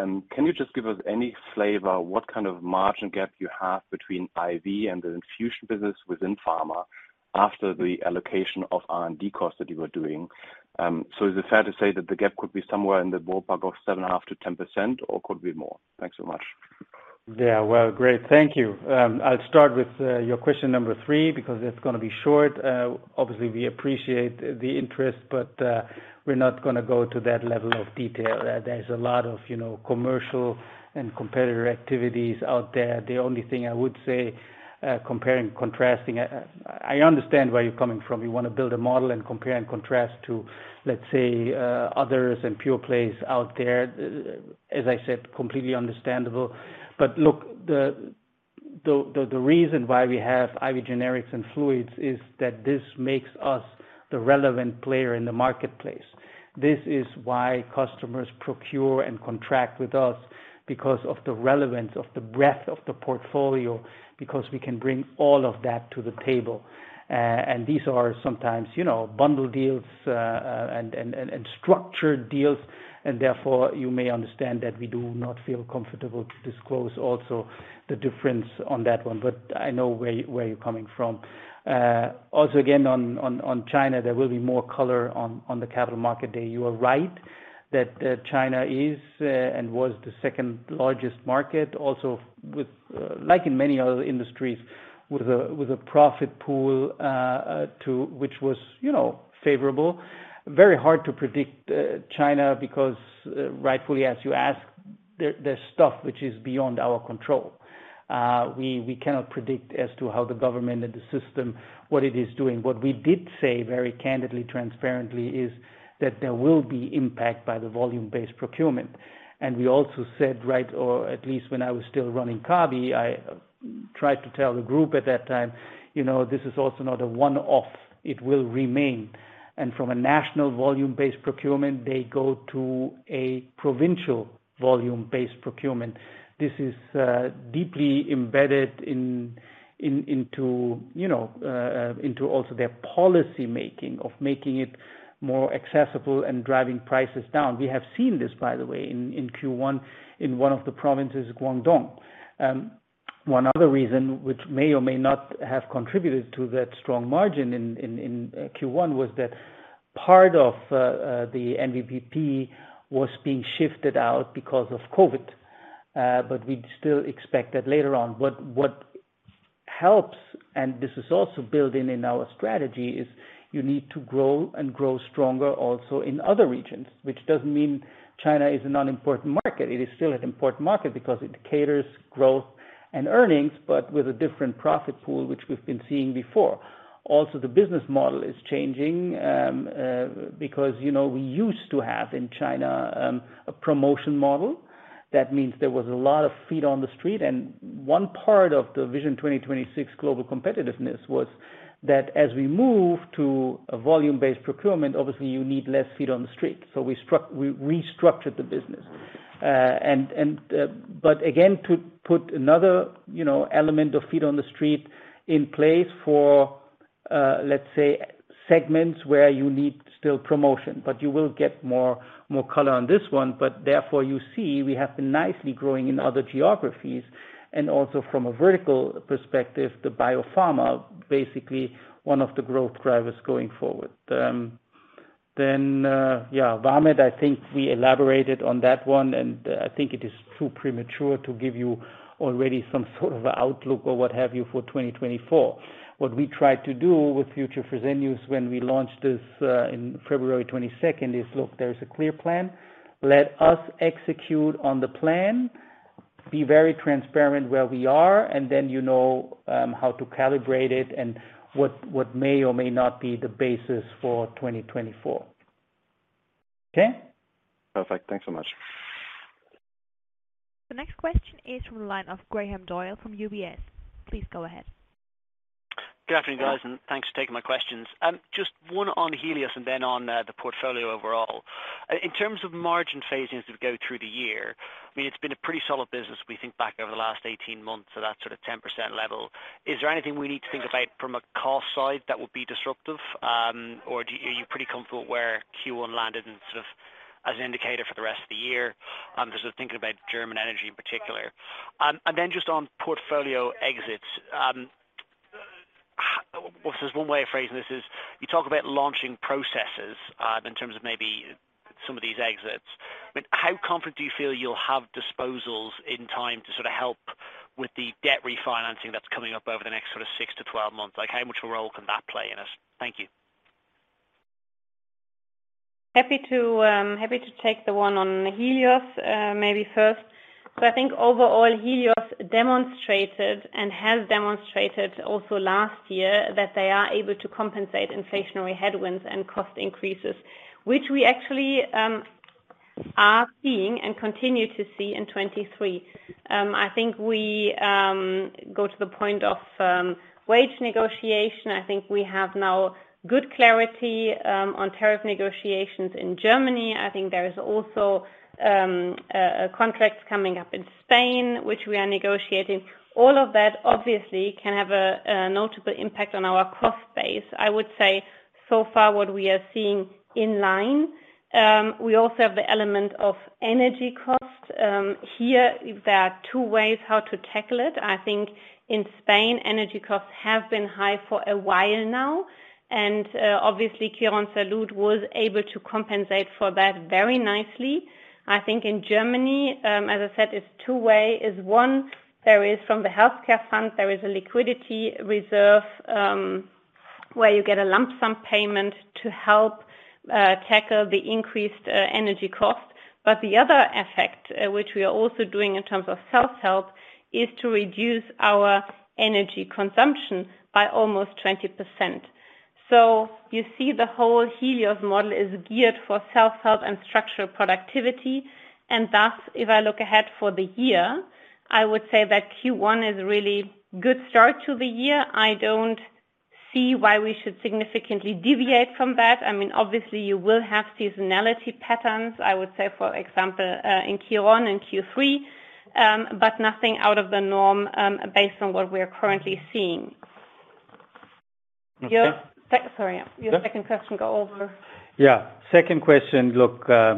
Can you just give us any flavor what kind of margin gap you have between IV and the infusion business within pharma after the allocation of R&D costs that you were doing? Is it fair to say that the gap could be somewhere in the ballpark of 7.5%-10%, or could be more? Thanks so much. Yeah. Well, great. Thank you. I'll start with your question number three, because it's gonna be short. Obviously we appreciate the interest, but we're not gonna go to that level of detail. There's a lot of, you know, commercial and competitor activities out there. The only thing I would say, comparing, contrasting... I understand where you're coming from. You wanna build a model and compare and contrast to, let's say, others and pure plays out there. As I said, completely understandable. Look, the, the reason why we have IV generics and fluids is that this makes us the relevant player in the marketplace. This is why customers procure and contract with us because of the relevance of the breadth of the portfolio, because we can bring all of that to the table. These are sometimes, you know, bundle deals, and structured deals and therefore you may understand that we do not feel comfortable to disclose also the difference on that one. I know where you're coming from. Again, on China, there will be more color on the Capital Market Day. You are right that China is, and was the second-largest market also with, like in many other industries with a, with a profit pool, to which was, you know, favorable. Very hard to predict, China because rightfully as you ask, there's stuff which is beyond our control. We cannot predict as to how the government and the system, what it is doing. What we did say very candidly, transparently, is that there will be impact by the volume-based procurement. We also said, right, or at least when I was still running Kabi, I tried to tell the group at that time, you know, this is also not a one-off. It will remain. From a national volume-based procurement, they go to a provincial volume-based procurement. This is deeply embedded into, you know, into also their policy making of making it more accessible and driving prices down. We have seen this by the way in Q1 in one of the provinces, Guangdong. One other reason which may or may not have contributed to that strong margin in Q1 was that part of the MVVP was being shifted out because of COVID. We still expect that later on. What helps, this is also built-in in our strategy, is you need to grow and grow stronger also in other regions, which doesn't mean China is an unimportant market. It is still an important market because it caters growth and earnings, but with a different profit pool, which we've been seeing before. Also, the business model is changing because, you know, we used to have in China a promotion model. That means there was a lot of feet on the street and one part of the Vision 2026 global competitiveness was that as we move to a volume-based procurement, obviously you need less feet on the street. We restructured the business. But again, to put another, you know, element of feet on the street in place for, let's say segments where you need still promotion, but you will get more color on this one. Therefore you see we have been nicely growing in other geographies and also from a vertical perspective, the biopharma, basically one of the growth drivers going forward. Vamed, I think we elaborated on that one, and I think it is too premature to give you already some sort of outlook or what have you for 2024. What we try to do with #FutureFresenius when we launch this in February twenty-second is look, there's a clear plan. Let us execute on the plan, be very transparent where we are, and then you know, how to calibrate it and what may or may not be the basis for 2024. Okay? Perfect. Thanks so much. The next question is from the line of Graham Doyle from UBS. Please go ahead. Good afternoon guys, and thanks for taking my questions. Just one on Helios and then on the portfolio overall. In terms of margin phasing as we go through the year, I mean it's been a pretty solid business. We think back over the last 18 months to that sort of 10% level. Is there anything we need to think about from a cost side that would be disruptive? Are you pretty comfortable where Q1 landed and sort of as an indicator for the rest of the year? Just sort of thinking about German energy in particular. Then just on portfolio exits, there's one way of phrasing this is, you talk about launching processes in terms of maybe some of these exits. How confident do you feel you'll have disposals in time to sort of help with the debt refinancing that's coming up over the next sort of six-12 months? Like how much a role can that play in this? Thank you. Happy to happy to take the one on Helios maybe first. I think overall, Helios demonstrated and has demonstrated also last year that they are able to compensate inflationary headwinds and cost increases, which we actually are seeing and continue to see in 23. We go to the point of wage negotiation. We have now good clarity on tariff negotiations in Germany. There is also a contract coming up in Spain, which we are negotiating. All of that obviously can have a notable impact on our cost base. I would say so far what we are seeing in line. We also have the element of energy costs. Here there are two ways how to tackle it. I think in Spain, energy costs have been high for a while now. Obviously, Quirónsalud was able to compensate for that very nicely. I think in Germany, as I said, it's two way. One, there is from the healthcare fund, there is a liquidity reserve. Where you get a lump sum payment to help tackle the increased energy cost. The other effect, which we are also doing in terms of self-help, is to reduce our energy consumption by almost 20%. You see the whole Helios model is geared for self-help and structural productivity. If I look ahead for the year, I would say that Q1 is really good start to the year. I don't see why we should significantly deviate from that. I mean, obviously you will have seasonality patterns, I would say, for example, in Q1 and Q3, but nothing out of the norm, based on what we are currently seeing. Okay. Your sorry. Yeah. Your second question go over. Yeah. Second question.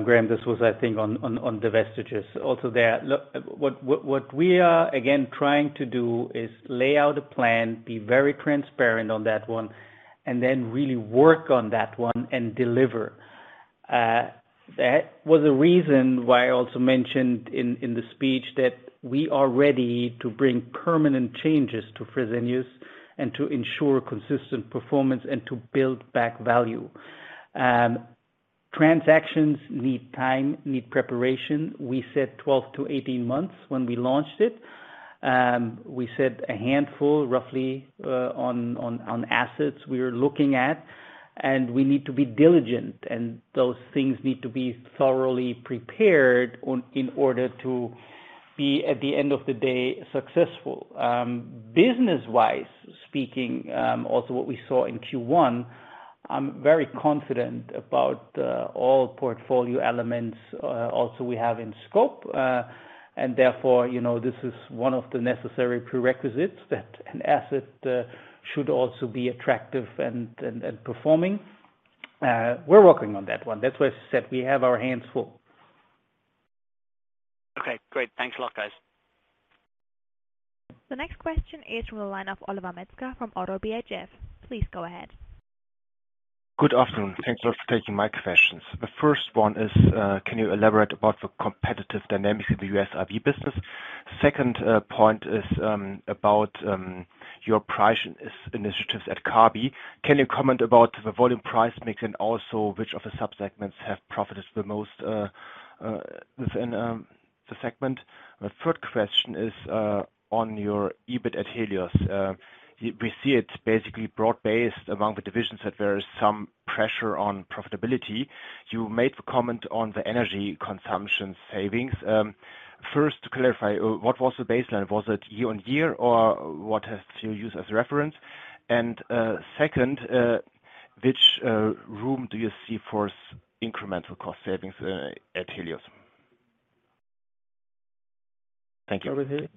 Graham, this was, I think on the vestiges also there. What we are again trying to do is lay out a plan, be very transparent on that one, and then really work on that one and deliver. That was a reason why I also mentioned in the speech that we are ready to bring permanent changes to Fresenius and to ensure consistent performance and to build back value. Transactions need time, need preparation. We said 12-18 months when we launched it. We said a handful roughly on assets we are looking at, and we need to be diligent and those things need to be thoroughly prepared on in order to be, at the end of the day, successful. Business-wise speaking, also what we saw in Q1, I'm very confident about all portfolio elements, also we have in scope. Therefore, you know, this is one of the necessary prerequisites that an asset should also be attractive and performing. We're working on that one. That's why I said we have our hands full. Okay, great. Thanks a lot, guys. The next question is from the line of Oliver Metzger from ODDO BHF. Please go ahead. Good afternoon. Thanks a lot for taking my questions. The first one is, can you elaborate about the competitive dynamics in the US RV business? Second, point is, about your price initiatives at Kabi. Can you comment about the volume price mix and also which of the sub-segments have profited the most within the segment? The third question is, on your EBIT at Helios. We see it basically broad-based among the divisions that there is some pressure on profitability. You made the comment on the energy consumption savings. First to clarify, what was the baseline? Was it year-over-year, or what has to use as reference? Second, which room do you see for incremental cost savings at Helios? Thank you. Start with Henni?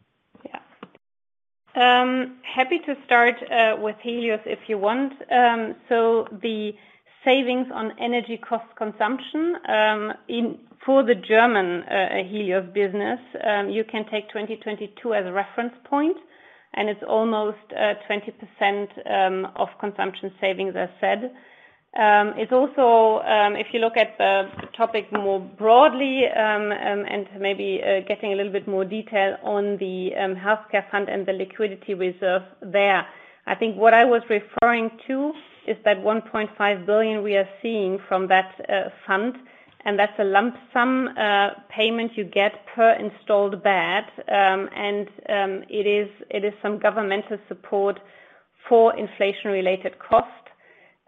Yeah. Happy to start with Helios if you want. The savings on energy cost consumption in for the German Helios business, you can take 2022 as a reference point, and it's almost 20% of consumption savings as said. It's also, if you look at the topic more broadly, maybe getting a little bit more detail on the healthcare fund and the liquidity reserve there. I think what I was referring to is that 1.5 billion we are seeing from that fund, that's a lump sum payment you get per installed bed. It is some governmental support for inflation-related costs.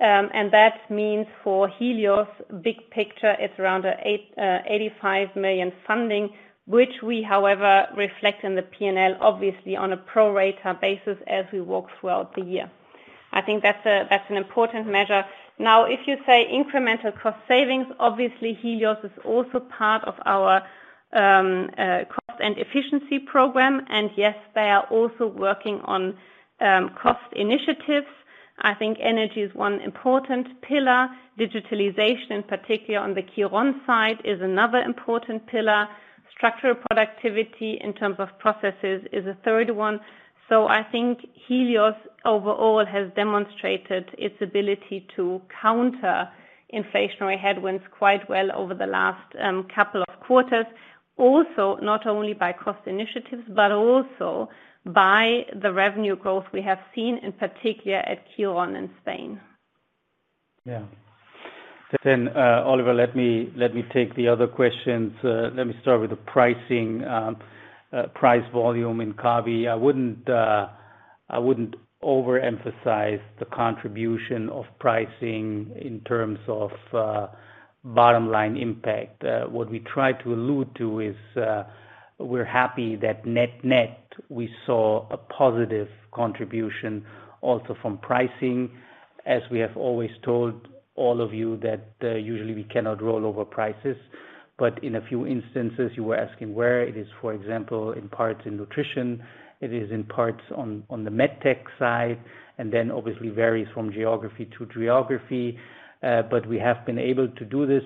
That means for Helios big picture, it's around 85 million funding, which we however reflect in the P&L obviously on a pro rata basis as we work throughout the year. I think that's an important measure. If you say incremental cost savings, obviously Helios is also part of our cost and efficiency program. Yes, they are also working on cost initiatives. I think energy is one important pillar. Digitalization, particularly on the Quirón side, is another important pillar. Structural productivity in terms of processes is a third one. I think Helios overall has demonstrated its ability to counter inflationary headwinds quite well over the last couple of quarters. Not only by cost initiatives, but also by the revenue growth we have seen, in particular at Quirón in Spain. Yeah. Oliver, let me take the other questions. Let me start with the pricing, price volume in Kabi. I wouldn't overemphasize the contribution of pricing in terms of bottom line impact. What we try to allude to is, we're happy that net-net, we saw a positive contribution also from pricing. We have always told all of you that usually we cannot roll over prices. In a few instances, you were asking where it is, for example, in parts in nutrition, it is in parts on the med tech side, and obviously varies from geography to geography. We have been able to do this.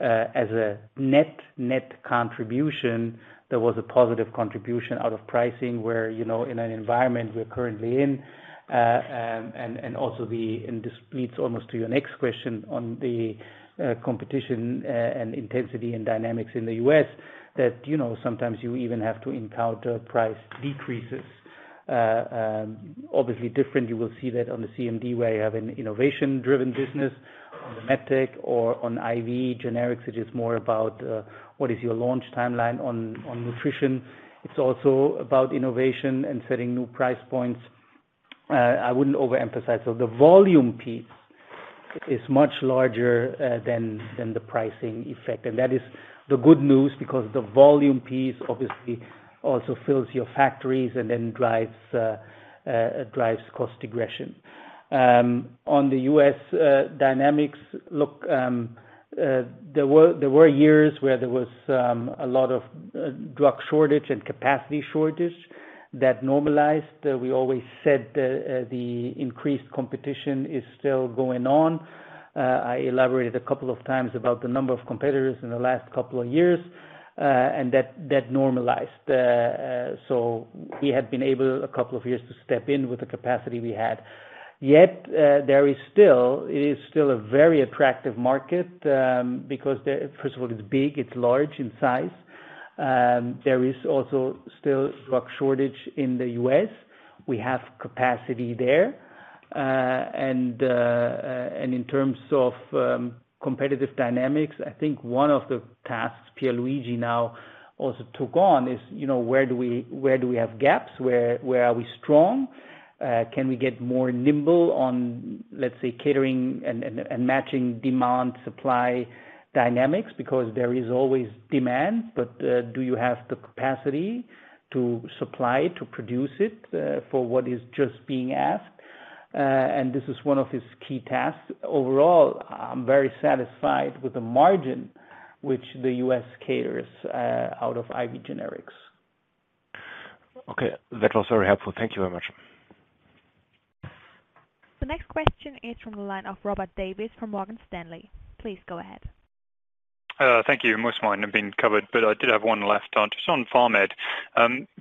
As a net-net contribution, there was a positive contribution out of pricing where, you know, in an environment we're currently in, and this leads almost to your next question on the competition, and intensity and dynamics in the U.S. that, you know, sometimes you even have to encounter price decreases. Obviously different. You will see that on the CMD, where you have an innovation-driven business on the MedTech or on IV generics, it is more about what is your launch timeline on nutrition. It's also about innovation and setting new price points. I wouldn't overemphasize. The volume piece is much larger than the pricing effect. That is the good news because the volume piece obviously also fills your factories and then drives cost aggression. On the U.S. dynamics. Look, there were years where there was a lot of drug shortage and capacity shortage that normalized. We always said, the increased competition is still going on. I elaborated a couple of times about the number of competitors in the last couple of years, and that normalized. We had been able a couple of years to step in with the capacity we had. Yet, it is still a very attractive market, because first of all, it's big, it's large in size. There is also still drug shortage in the U.S. We have capacity there. In terms of competitive dynamics, I think one of the tasks Pierluigi now also took on is, you know, where do we have gaps? Where are we strong? Can we get more nimble on, let's say, catering and matching demand supply dynamics? There is always demand, but, do you have the capacity to supply, to produce it, for what is just being asked? This is one of his key tasks. Overall, I'm very satisfied with the margin which the U.S. caters, out of IV generics. Okay. That was very helpful. Thank you very much. The next question is from the line of Robert Davies from Morgan Stanley. Please go ahead. Thank you. Most of mine have been covered, but I did have one left on just on Vamed.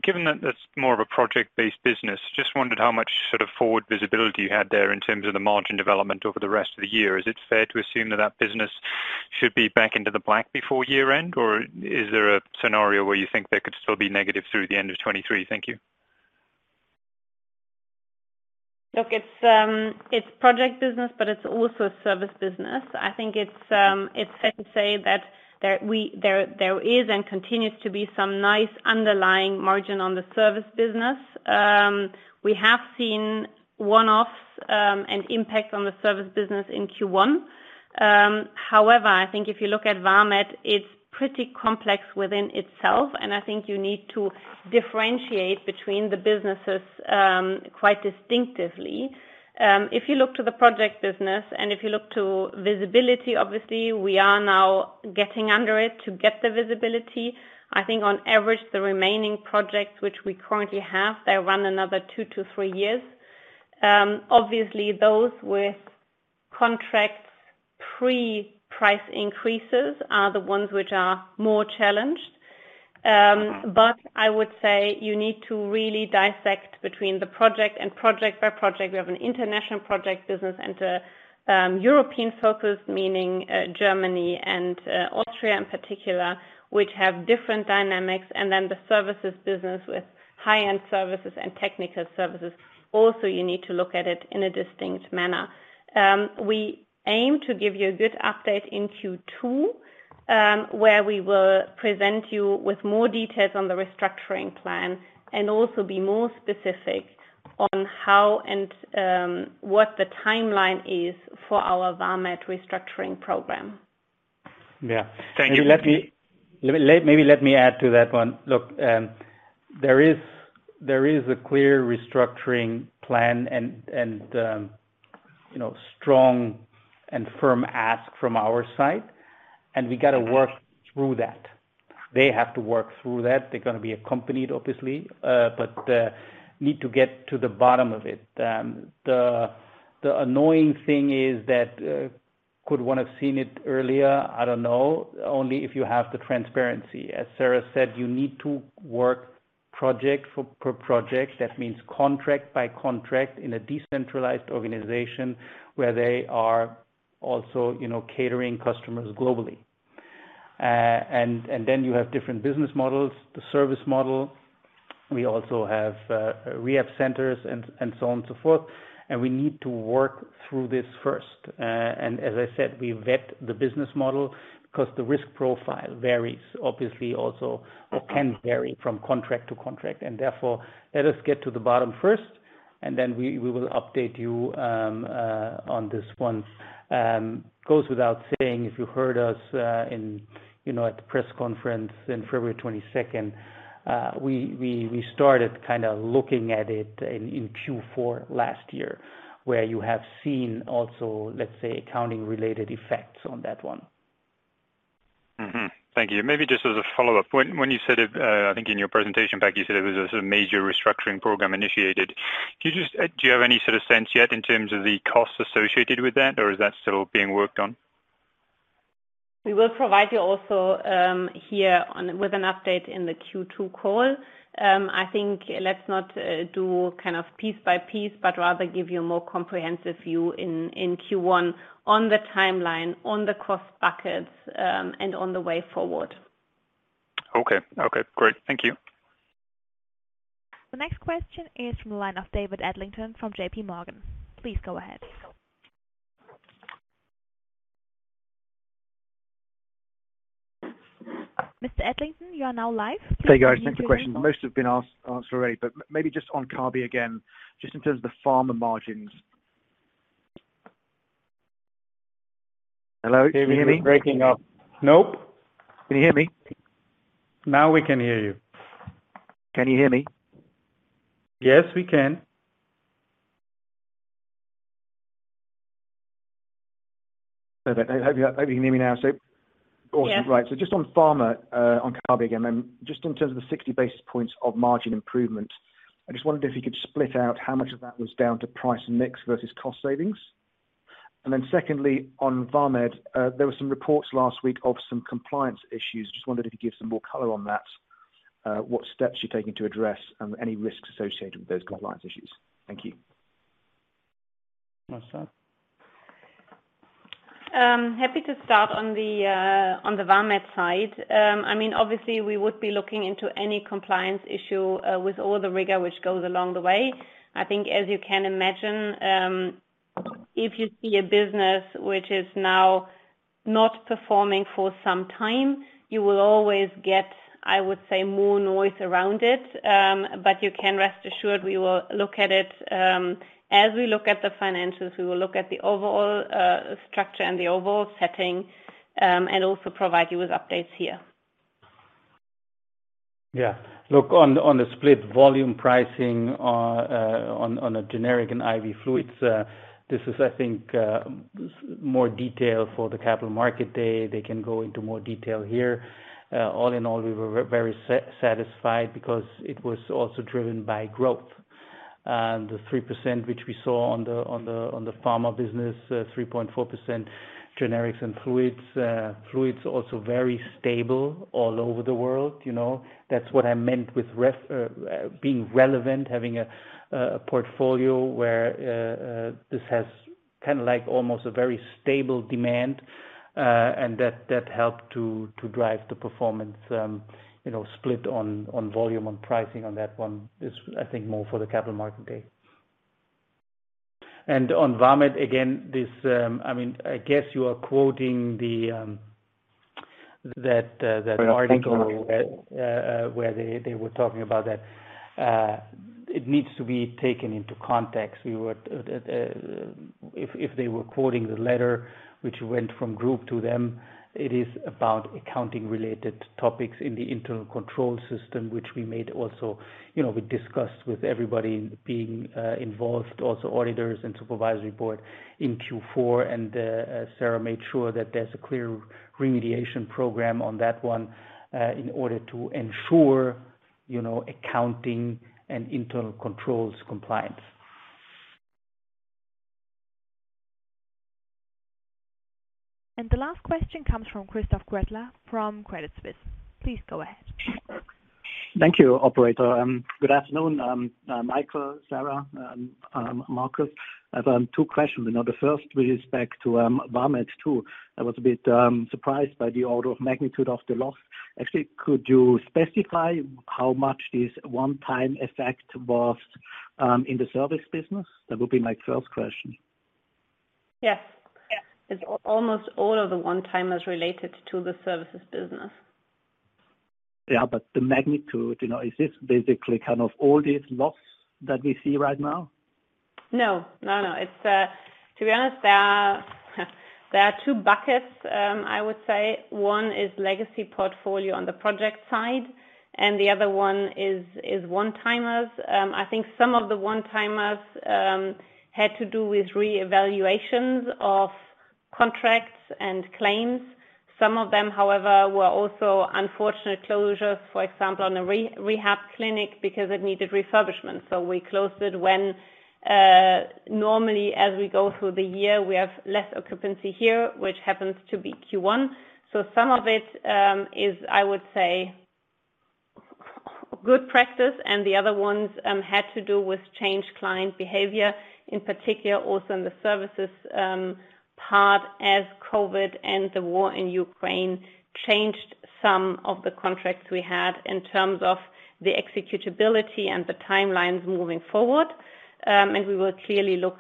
Given that that's more of a project-based business, just wondered how much sort of forward visibility you had there in terms of the margin development over the rest of the year. Is it fair to assume that that business should be back into the black before year end, or is there a scenario where you think they could still be negative through the end of 2023? Thank you. Look, it's project business, but it's also service business. I think it's fair to say that there is and continues to be some nice underlying margin on the service business. We have seen one-offs, and impact on the service business in Q1. However, I think if you look at Vamed, it's pretty complex within itself, and I think you need to differentiate between the businesses, quite distinctively. If you look to the project business and if you look to visibility, obviously we are now getting under it to get the visibility. I think on average, the remaining projects which we currently have, they run another two to 3 years. Obviously those with contracts pre price increases are the ones which are more challenged. I would say you need to really dissect between the project and project by project. We have an international project business and a European focus, meaning Germany and Austria in particular, which have different dynamics. Then the services business with high-end services and technical services. Also, you need to look at it in a distinct manner. We aim to give you a good update in Q2, where we will present you with more details on the restructuring plan and also be more specific on how and what the timeline is for our Vamed restructuring program. Yeah. Thank you. Maybe let me add to that one. Look, there is a clear restructuring plan and, you know, strong and firm ask from our side, and we got to work through that. They have to work through that. They're gonna be accompanied, obviously, but need to get to the bottom of it. The annoying thing is that, could one have seen it earlier? I don't know. Only if you have the transparency. As Sara said, you need to work project for project. That means contract by contract in a decentralized organization where they are also, you know, catering customers globally. Then you have different business models, the service model. We also have rehab centers and so on and so forth. We need to work through this first. As I said, we vet the business model 'cause the risk profile varies obviously also, or can vary from contract to contract. Therefore, let us get to the bottom first, and then we will update you on this one. Goes without saying, if you heard us in, you know, at the press conference in February 22nd, we started kind of looking at it in Q4 last year, where you have seen also, let's say, accounting related effects on that one. Thank you. Maybe just as a follow-up, when you said, I think in your presentation, Becky, you said it was a major restructuring program initiated. Do you have any sort of sense yet in terms of the costs associated with that, or is that still being worked on? We will provide you also with an update in the Q2 call. I think let's not do kind of piece by piece, but rather give you a more comprehensive view in Q1 on the timeline, on the cost buckets, and on the way forward. Okay. Okay, great. Thank you. The next question is from the line of David Adlington from JP Morgan. Please go ahead. Mr. Adlington, you are now live. Please go ahead with your question. Hey, guys. Thank you for the question. Most have been asked, answered already, but maybe just on Kabi again, just in terms of the pharma margins. Hello, can you hear me? David, you're breaking up. Nope. Can you hear me? Now we can hear you. Can you hear me? Yes, we can. Perfect. I hope you can hear me now. Yeah. Awesome. Right. Just on pharma, on Kabi again, just in terms of the 60 basis points of margin improvement, I just wondered if you could split out how much of that was down to price mix versus cost savings. Secondly, on Vamed, there were some reports last week of some compliance issues. Just wondered if you could give some more color on that, what steps you're taking to address, and any risks associated with those compliance issues. Thank you. Sara? Happy to start on the Vamed side. I mean, obviously we would be looking into any compliance issue with all the rigor which goes along the way. I think, as you can imagine, if you see a business which is now not performing for some time, you will always get, I would say, more noise around it. You can rest assured we will look at it, as we look at the financials, we will look at the overall structure and the overall setting, and also provide you with updates here. Yeah. Look, on, on the split volume pricing, uh, uh, on, on a generic and IV fluids, uh, this is I think, uh, s-more detail for the capital market day. They can go into more detail here. Uh, all in all, we were very sa-satisfied because it was also driven by growth. Uh, the 3% which we saw on the, on the, on the pharma business, uh, three point 4% generics and fluids. Uh, fluids also very stable all over the world, you know. That's what I meant with ref-- uh, uh, being relevant, having a, uh, a portfolio where, uh, uh, this has kinda like almost a very stable demand, uh, and that, that helped to, to drive the performance, um, you know, split on, on volume, on pricing on that one is, I think, more for the capital market day. On Vamed, again, this, I mean, I guess you are quoting the, that article. No. where they were talking about that. It needs to be taken into context. We would, if they were quoting the letter, which went from group to them, it is about accounting-related topics in the internal control system, which we made also. You know, we discussed with everybody being involved, also auditors and supervisory board in Q4, and Sara made sure that there's a clear remediation program on that one, in order to ensure, you know, accounting and internal controls compliance. The last question comes from Christoph Gretler from Credit Suisse. Please go ahead. Thank you, operator. Good afternoon, Michael, Sara, Markus. I have two questions. You know, the first with respect to Vamed, too. I was a bit surprised by the order of magnitude of the loss. Actually, could you specify how much this one-time effect was in the service business? That would be my first question. Yes. Yes. It's almost all of the one-timers related to the services business. Yeah, but the magnitude, you know, is this basically kind of all this loss that we see right now? No. No, no. It's, to be honest, there are two buckets, I would say. One is legacy portfolio on the project side. The other one is one-timers. I think some of the one-timers had to do with re-evaluations of contracts and claims. Some of them, however, were also unfortunate closures, for example, on a re-rehab clinic because it needed refurbishment. We closed it when normally as we go through the year, we have less occupancy here, which happens to be Q1. Some of it is, I would say, good practice. The other ones had to do with changed client behavior, in particular also in the services part as COVID and the war in Ukraine changed some of the contracts we had in terms of the executability and the timelines moving forward. We will clearly look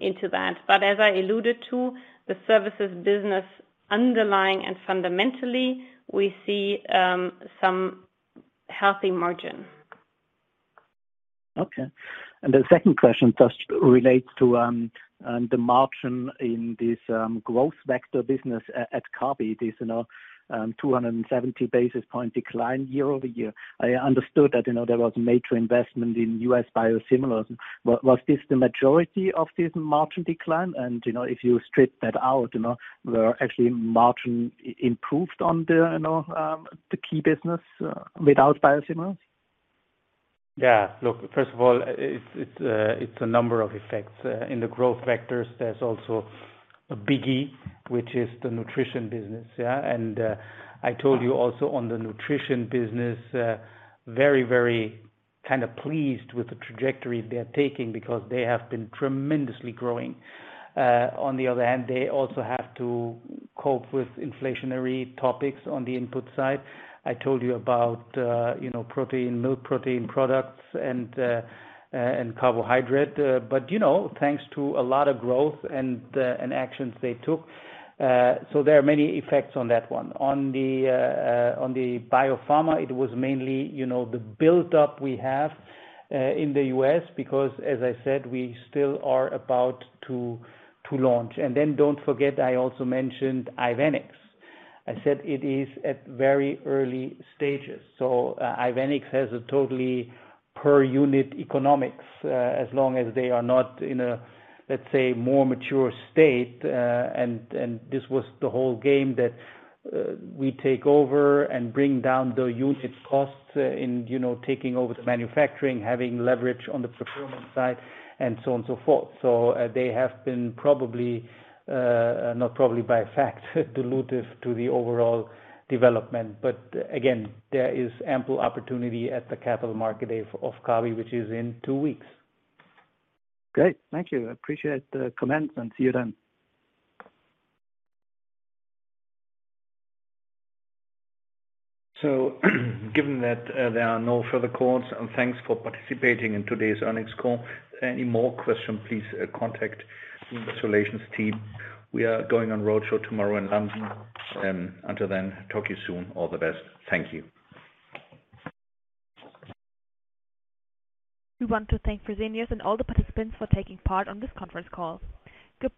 into that. As I alluded to, the services business underlying and fundamentally, we see some healthy margin. Okay. The second question just relates to the margin in this growth vector business at Kabi. This, you know, 270 basis point decline year-over-year. I understood that, you know, there was major investment in U.S. biosimilars. Was this the majority of this margin decline? You know, if you strip that out, you know, were actually margin improved on the, you know, the key business without biosimilars? Yeah. Look, first of all, it's a number of effects. In the growth vectors there's also a biggie, which is the nutrition business, yeah? I told you also on the nutrition business, very, very kinda pleased with the trajectory they're taking because they have been tremendously growing. On the other hand, they also have to cope with inflationary topics on the input side. I told you about, you know, protein, milk protein products and carbohydrate. But, you know, thanks to a lot of growth and actions they took, so there are many effects on that one. On the, on the biopharma, it was mainly, you know, the buildup we have in the US because, as I said, we still are about to launch. Don't forget, I also mentioned Ivenix. I said it is at very early stages. Ivenix has a totally per unit economics as long as they are not in a, let's say, more mature state. This was the whole game that we take over and bring down the unit costs in, you know, taking over the manufacturing, having leverage on the procurement side, and so on and so forth. They have been probably, not probably, by fact, dilutive to the overall development. There is ample opportunity at the capital market day of Kabi, which is in two weeks. Great. Thank you. I appreciate the comments and see you then. Given that there are no further calls, thanks for participating in today's earnings call. Any more questions, please contact the Investor Relations team. We are going on roadshow tomorrow in London. Until then, talk to you soon. All the best. Thank you. We want to thank Fresenius and all the participants for taking part on this conference call. Goodbye.